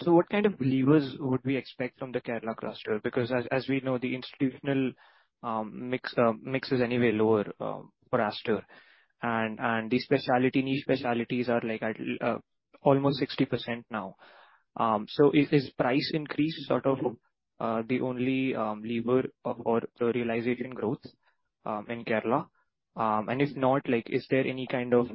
So what kind of levers would we expect from the Kerala cluster? Because as we know, the institutional mix is anyway lower for Aster. And the specialty, niche specialties are like at almost 60% now. So is price increase sort of the only lever or realization growth in Kerala? And if not, like, is there any kind of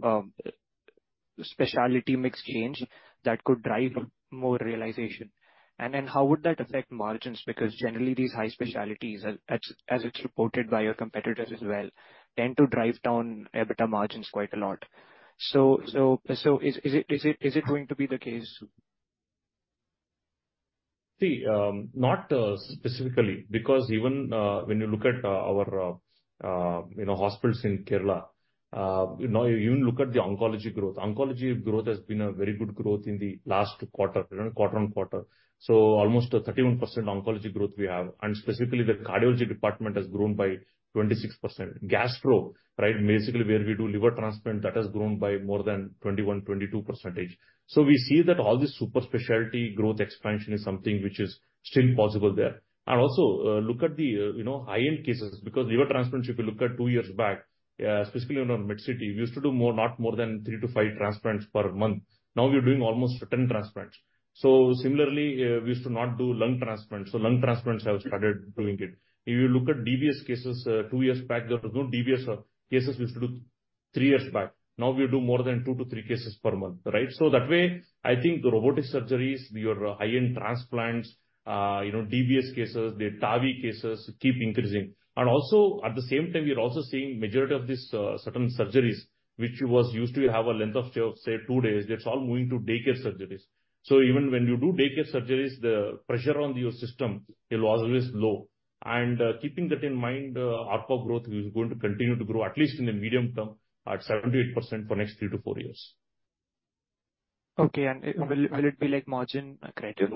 specialty mix change that could drive more realization? And then how would that affect margins? Because generally, these high specialties, as it's reported by your competitors as well, tend to drive down EBITDA margins quite a lot. So is it going to be the case? See, not specifically, because even when you look at our you know, hospitals in Kerala, you know, you even look at the oncology growth. Oncology growth has been a very good growth in the last quarter, quarter on quarter. So almost a 31% oncology growth we have, and specifically the cardiology department has grown by 26%. Gastro, right, basically where we do liver transplant, that has grown by more than 21, 22%. So we see that all these super specialty growth expansion is something which is still possible there. And also, look at the you know, high-end cases, because liver transplants, if you look at two years back, specifically in our MedCity, we used to do more, not more than 3-5 transplants per month. Now, we're doing almost 10 transplants. So similarly, we used to not do lung transplants, so lung transplants have started doing it. If you look at DBS cases, two years back, there were no DBS cases three years back. Now we do more than 2-3 cases per month, right? So that way, I think the robotic surgeries, your high-end transplants, you know, DBS cases, the TAVI cases keep increasing. And also at the same time, we are also seeing majority of these certain surgeries, which was used to have a length of stay of, say, 2 days, that's all moving to daycare surgeries. So even when you do daycare surgeries, the pressure on your system will always low. Keeping that in mind, ARPA growth is going to continue to grow, at least in the medium term, at 70%-80% for next 3-4 years. Okay. Will it be, like, margin accretive?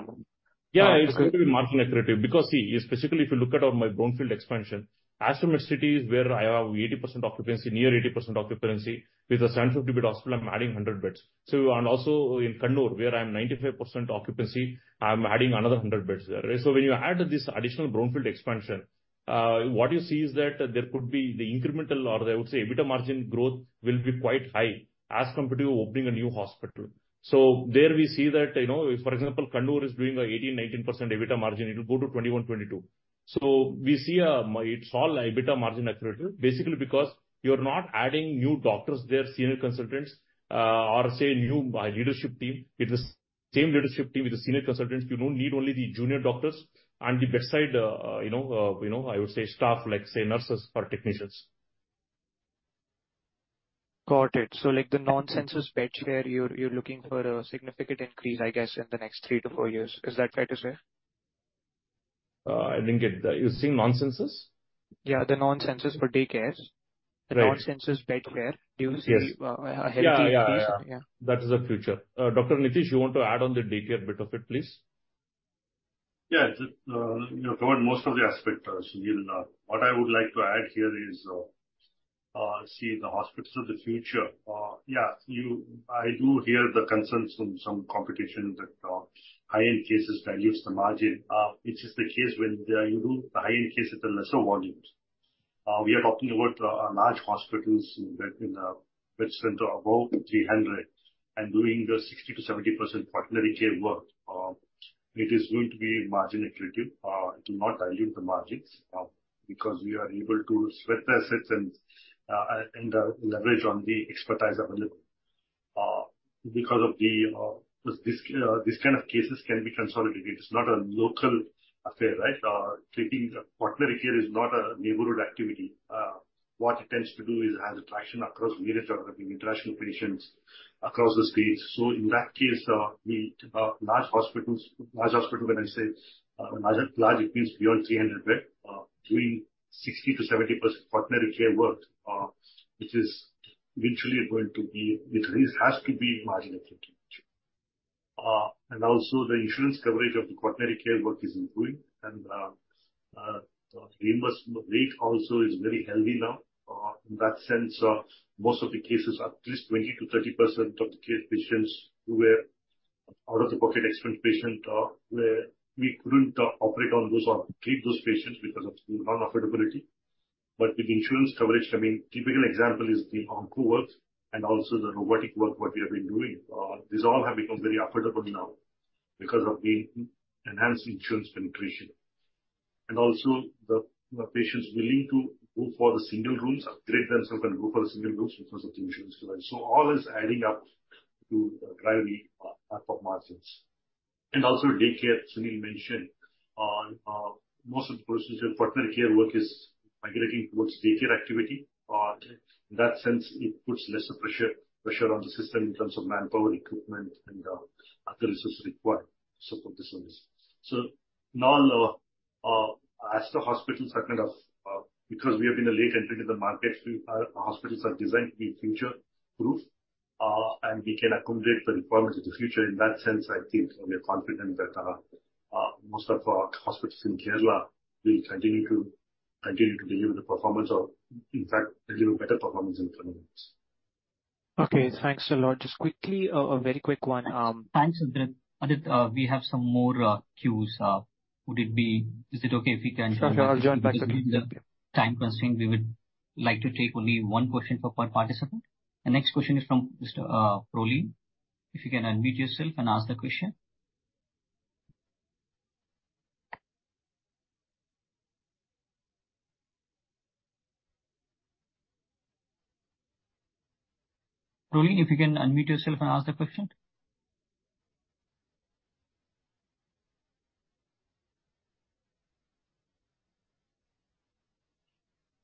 Yeah, it's going to be margin accretive. Because, see, specifically if you look at on my brownfield expansion, Aster Medcity is where I have 80% occupancy, near 80% occupancy. With a 100-bed hospital, I'm adding 100 beds. So and also in Kannur, where I'm 95% occupancy, I'm adding another 100 beds there. So when you add this additional brownfield expansion, what you see is that there could be the incremental, or I would say, EBITDA margin growth will be quite high as compared to opening a new hospital. So there we see that, you know, if, for example, Kannur is doing an 18%-19% EBITDA margin, it will go to 21%-22%. So we see, it's all EBITDA margin accretive, basically because you're not adding new doctors there, senior consultants, or, say, new leadership team. With the same leadership team, with the senior consultants, you now need only the junior doctors and the bedside, you know, you know, I would say, staff, like, say, nurses or technicians. Got it. So, like, the non-census bed share, you're looking for a significant increase, I guess, in the next 3-4 years. Is that right as well? I didn't get that. You're saying non-censors? Yeah, the non-censors for daycares. Right. The non-consensus bet where you see- Yes. a healthy increase. Yeah, yeah, yeah. Yeah. That is the future. Dr. Nitish, you want to add on the daycare bit of it, please? Yeah. Just, you know, covered most of the aspects, Sunil. What I would like to add here is, see, the hospitals of the future, yeah, I do hear the concerns from some competition that, high-end cases dilutes the margin, which is the case when, you do the high-end cases in lesser volumes. We are talking about, large hospitals that in which center above 300, and doing the 60%-70% quaternary care work. It is going to be margin accretive. It will not dilute the margins, because we are able to spread the assets and, and, leverage on the expertise available. Because of the, this, these kind of cases can be consolidated. It's not a local affair, right? Treating the Quaternary Care is not a neighborhood activity. What it tends to do is it has attraction across the globe, international patients across the state. So in that case, the large hospitals, large hospital, when I say large, large, it means beyond 300-bed, doing 60%-70% Quaternary Care work, which is eventually going to be, which is, has to be margin accretive. And also the insurance coverage of the Quaternary Care work is improving. And the reimbursement rate also is very healthy now. In that sense, most of the cases, at least 20%-30% of the care patients were out-of-the-pocket expense patient, where we couldn't operate on those or treat those patients because of unaffordability. But with insurance coverage, I mean, typical example is the onco work and also the robotic work what we have been doing. These all have become very affordable now because of the enhanced insurance penetration. And also the patients willing to go for the single rooms, upgrade themselves and go for the single rooms because of the insurance coverage. So all is adding up to drive the ARPA margins. And also daycare, Sunil mentioned, on most of the quaternary care work is migrating towards daycare activity. In that sense, it puts lesser pressure on the system in terms of manpower, equipment, and other resources required to support the services. So now, as the hospitals are kind of, because we have been a late entry to the market, our hospitals are designed to be future-proof, and we can accommodate the requirements of the future. In that sense, I think we are confident that most of our hospitals in Kerala will continue to deliver the performance of... In fact, deliver better performance in coming months. Okay, thanks a lot. Just quickly, a very quick one, Thanks, Adrit. We have some more queues. Is it okay if we can- Sure, sure, I'll join back. Due to the time constraint, we would like to take only one question per participant. The next question is from Mr. Rohan. If you can unmute yourself and ask the question. Rohan, if you can unmute yourself and ask the question.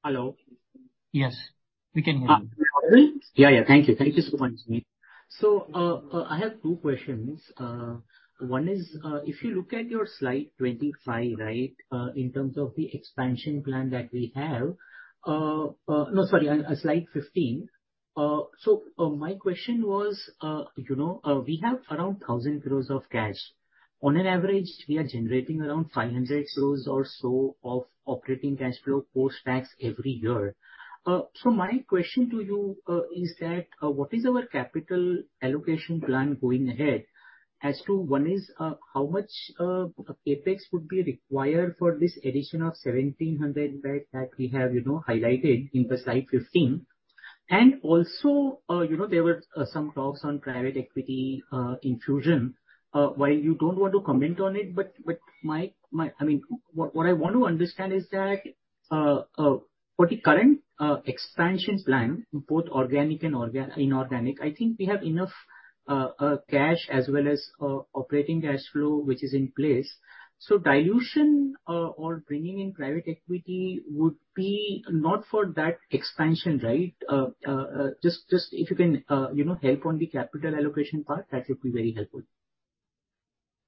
Hello. Yes, we can hear you. Yeah, yeah. Thank you. Thank you so much, Sunil. So, I have two questions. One is, if you look at your slide 25, right, in terms of the expansion plan that we have, no, sorry, slide 15. So, my question was, you know, we have around 1,000 crore of cash. On an average, we are generating around 500 crore or so of operating cash flow post-tax every year. So my question to you is that, what is our capital allocation plan going ahead? One is, how much CapEx would be required for this addition of 1,700 beds that we have, you know, highlighted in the slide 15. And also, you know, there were some talks on private equity infusion. While you don't want to comment on it, I mean, what I want to understand is that for the current expansion plan, both organic and inorganic, I think we have enough cash as well as operating cash flow, which is in place. So dilution or bringing in private equity would be not for that expansion, right? Just if you can, you know, help on the capital allocation part, that would be very helpful.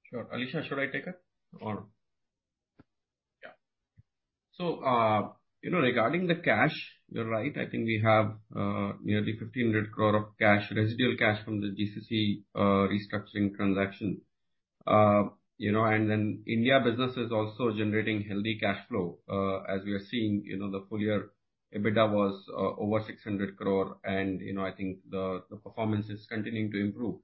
Sure. Alisha, should I take it or... Yeah. So, you know, regarding the cash, you're right. I think we have nearly 1,500 crore of cash, residual cash from the GCC restructuring transaction. You know, and then India business is also generating healthy cash flow. As we are seeing, you know, the full year EBITDA was over 600 crore, and, you know, I think the performance is continuing to improve.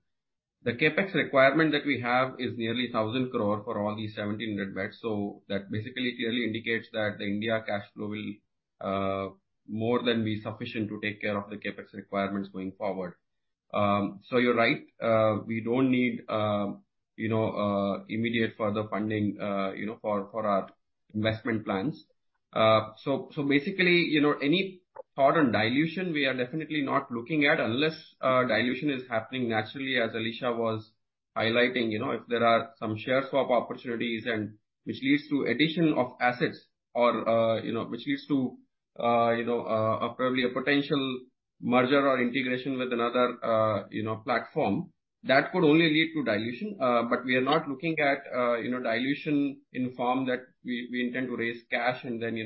The CapEx requirement that we have is nearly 1,000 crore for all these 17 net beds, so that basically clearly indicates that the India cash flow will more than be sufficient to take care of the CapEx requirements going forward. So you're right, we don't need immediate further funding, you know, for our investment plans. So basically, you know, any further dilution, we are definitely not looking at unless dilution is happening naturally, as Alisha was highlighting. You know, if there are some share swap opportunities and which leads to addition of assets or, you know, which leads to, you know, a probably a potential merger or integration with another, you know, platform, that could only lead to dilution. But we are not looking at, you know, dilution in form that we intend to raise cash and then, you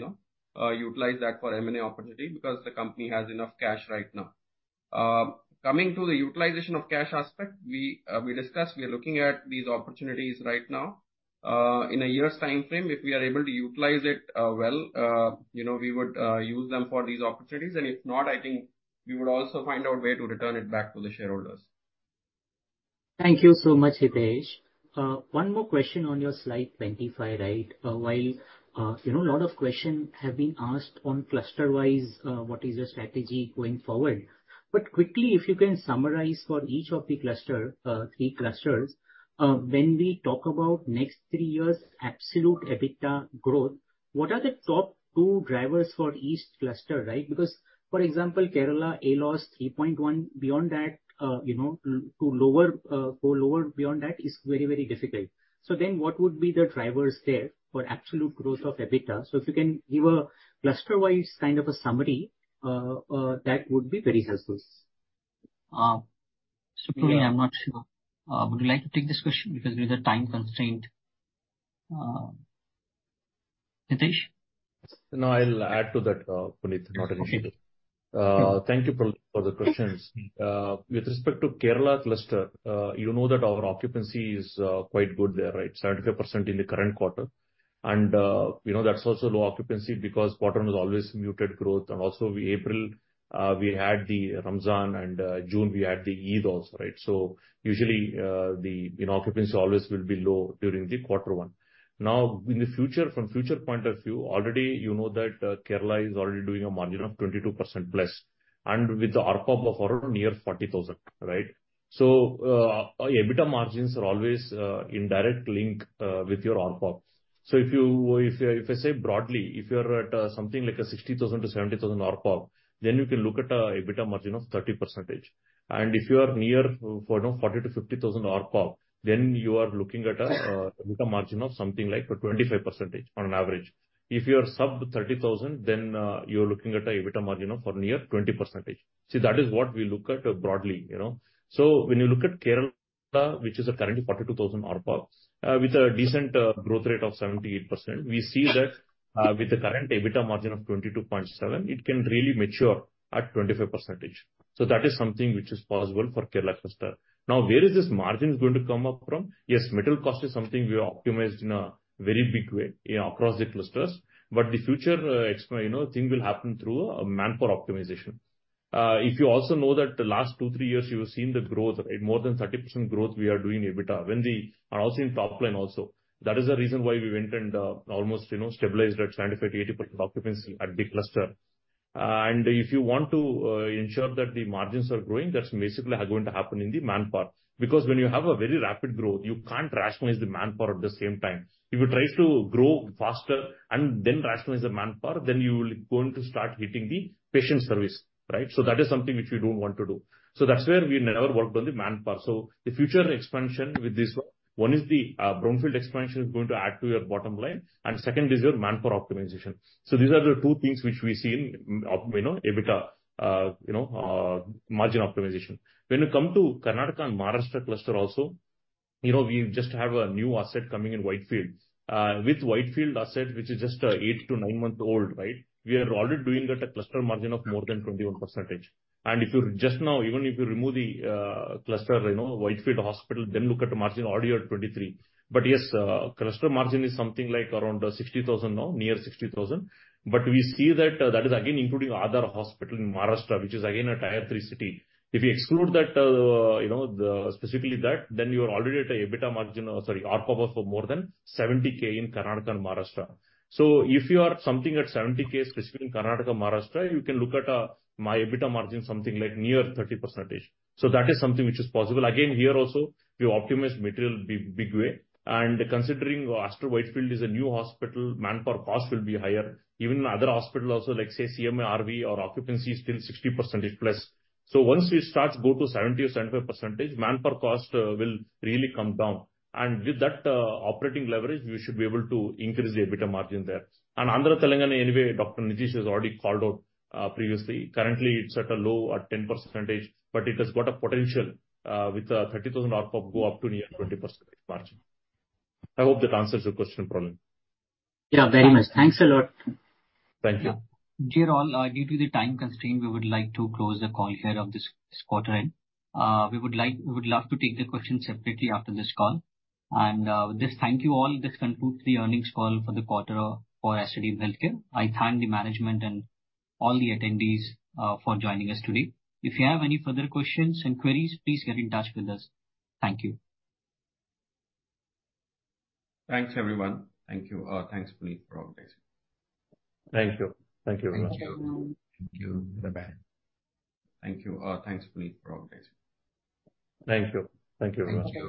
know, utilize that for M&A opportunity, because the company has enough cash right now. Coming to the utilization of cash aspect, we discussed, we are looking at these opportunities right now. In a year's time frame, if we are able to utilize it, well, you know, we would use them for these opportunities, and if not, I think we would also find a way to return it back to the shareholders. Thank you so much, Hitesh. One more question on your slide 25, right? While, you know, a lot of questions have been asked on cluster wise, what is your strategy going forward? But quickly, if you can summarize for each of the cluster, three clusters, when we talk about next three years' absolute EBITDA growth, what are the top two drivers for each cluster, right? Because, for example, Kerala, ALOS, 3.1. Beyond that, you know, to lower, go lower beyond that is very, very difficult. So then what would be the drivers there for absolute growth of EBITDA? So if you can give a cluster-wise kind of a summary, that would be very helpful. Puneet, I'm not sure. Would you like to take this question? Because we have a time constraint. Hitesh? No, I'll add to that, Puneet, not an issue. Thank you, Puneet, for the questions. With respect to Kerala cluster, you know that our occupancy is quite good there, right? 75% in the current quarter. You know, that's also low occupancy because bottom is always muted growth, and also April, we had the Ramadan, and June we had the Eid also, right? So usually, the, you know, occupancy always will be low during the quarter one. Now, in the future, from future point of view, already you know that, Kerala is already doing a margin of 22%+, and with the ARPM of around near 40,000, right? So, our EBITDA margins are always in direct link with your ARPM. So if I say broadly, if you're at something like a 60,000-70,000 ARPM, then you can look at a EBITDA margin of 30%. And if you are near 40,000-50,000 ARPM, then you are looking at a EBITDA margin of something like a 25% on an average. If you are sub 30,000, then you're looking at a EBITDA margin of around near 20%. See, that is what we look at broadly, you know. So when you look at Kerala, which is currently 42,000 ARPM with a decent growth rate of 78%, we see that with the current EBITDA margin of 22.7%, it can really mature at 25%. So that is something which is possible for Kerala cluster. Now, where is this margin going to come up from? Yes, material cost is something we optimize in a very big way across the clusters, but the future, you know, thing will happen through a manpower optimization. If you also know that the last 2-3 years, you have seen the growth at more than 30% growth we are doing EBITDA, when the... And also in top line also. That is the reason why we went and almost, you know, stabilized at 75%-80% occupancy at the cluster. And if you want to ensure that the margins are growing, that's basically are going to happen in the manpower. Because when you have a very rapid growth, you can't rationalize the manpower at the same time. If you try to grow faster and then rationalize the manpower, then you will going to start hitting the patient service, right? So that is something which we don't want to do. So that's where we never worked on the manpower. So the future expansion with this, one is the, Brownfield expansion is going to add to your bottom line, and second is your manpower optimization. So these are the two things which we see in, you know, EBITDA, you know, margin optimization. When you come to Karnataka and Maharashtra cluster also, you know, we just have a new asset coming in Whitefield. With Whitefield asset, which is just, 8-9 months old, right? We are already doing at a cluster margin of more than 21%. If you just now, even if you remove the, cluster, you know, Whitefield Hospital, then look at the margin already at 23%. But yes, cluster margin is something like around 60,000 now, near 60,000. But we see that, that is again including other hospital in Maharashtra, which is again a Tier 3 city. If you exclude that, you know, the, specifically that, then you are already at a EBITDA margin, sorry, ARPM of more than 70,000 in Karnataka and Maharashtra. So if you are something at 70,000, specifically in Karnataka, Maharashtra, you can look at, my EBITDA margin something like near 30%. So that is something which is possible. Again, here also, we optimize material big, big way, and considering Aster Whitefield is a new hospital, manpower cost will be higher. Even other hospital also, like, say, CMI, RV, our occupancy is still 60% plus. So once we start to go to 70 or 75%, manpower cost will really come down. And with that, operating leverage, we should be able to increase the EBITDA margin there. And Andhra Telangana, anyway, Dr. Nitish has already called out previously. Currently, it's at a low at 10%, but it has got a potential with a 30,000 ARPOB go up to near 20% margin. I hope that answers your question, Puneet. Yeah, very much. Thanks a lot. Thank you. Dear all, due to the time constraint, we would like to close the call here of this, this quarter end. We would like, we would love to take the questions separately after this call. With this, thank you all. This concludes the earnings call for the quarter of, for Aster DM Healthcare. I thank the management and all the attendees, for joining us today. If you have any further questions and queries, please get in touch with us. Thank you. Thanks, everyone. Thank you. Thanks, Puneet, for update. Thank you. Thank you very much. Thank you. Thank you. Bye-bye. Thank you. Thanks, Puneet, for update. Thank you. Thank you very much.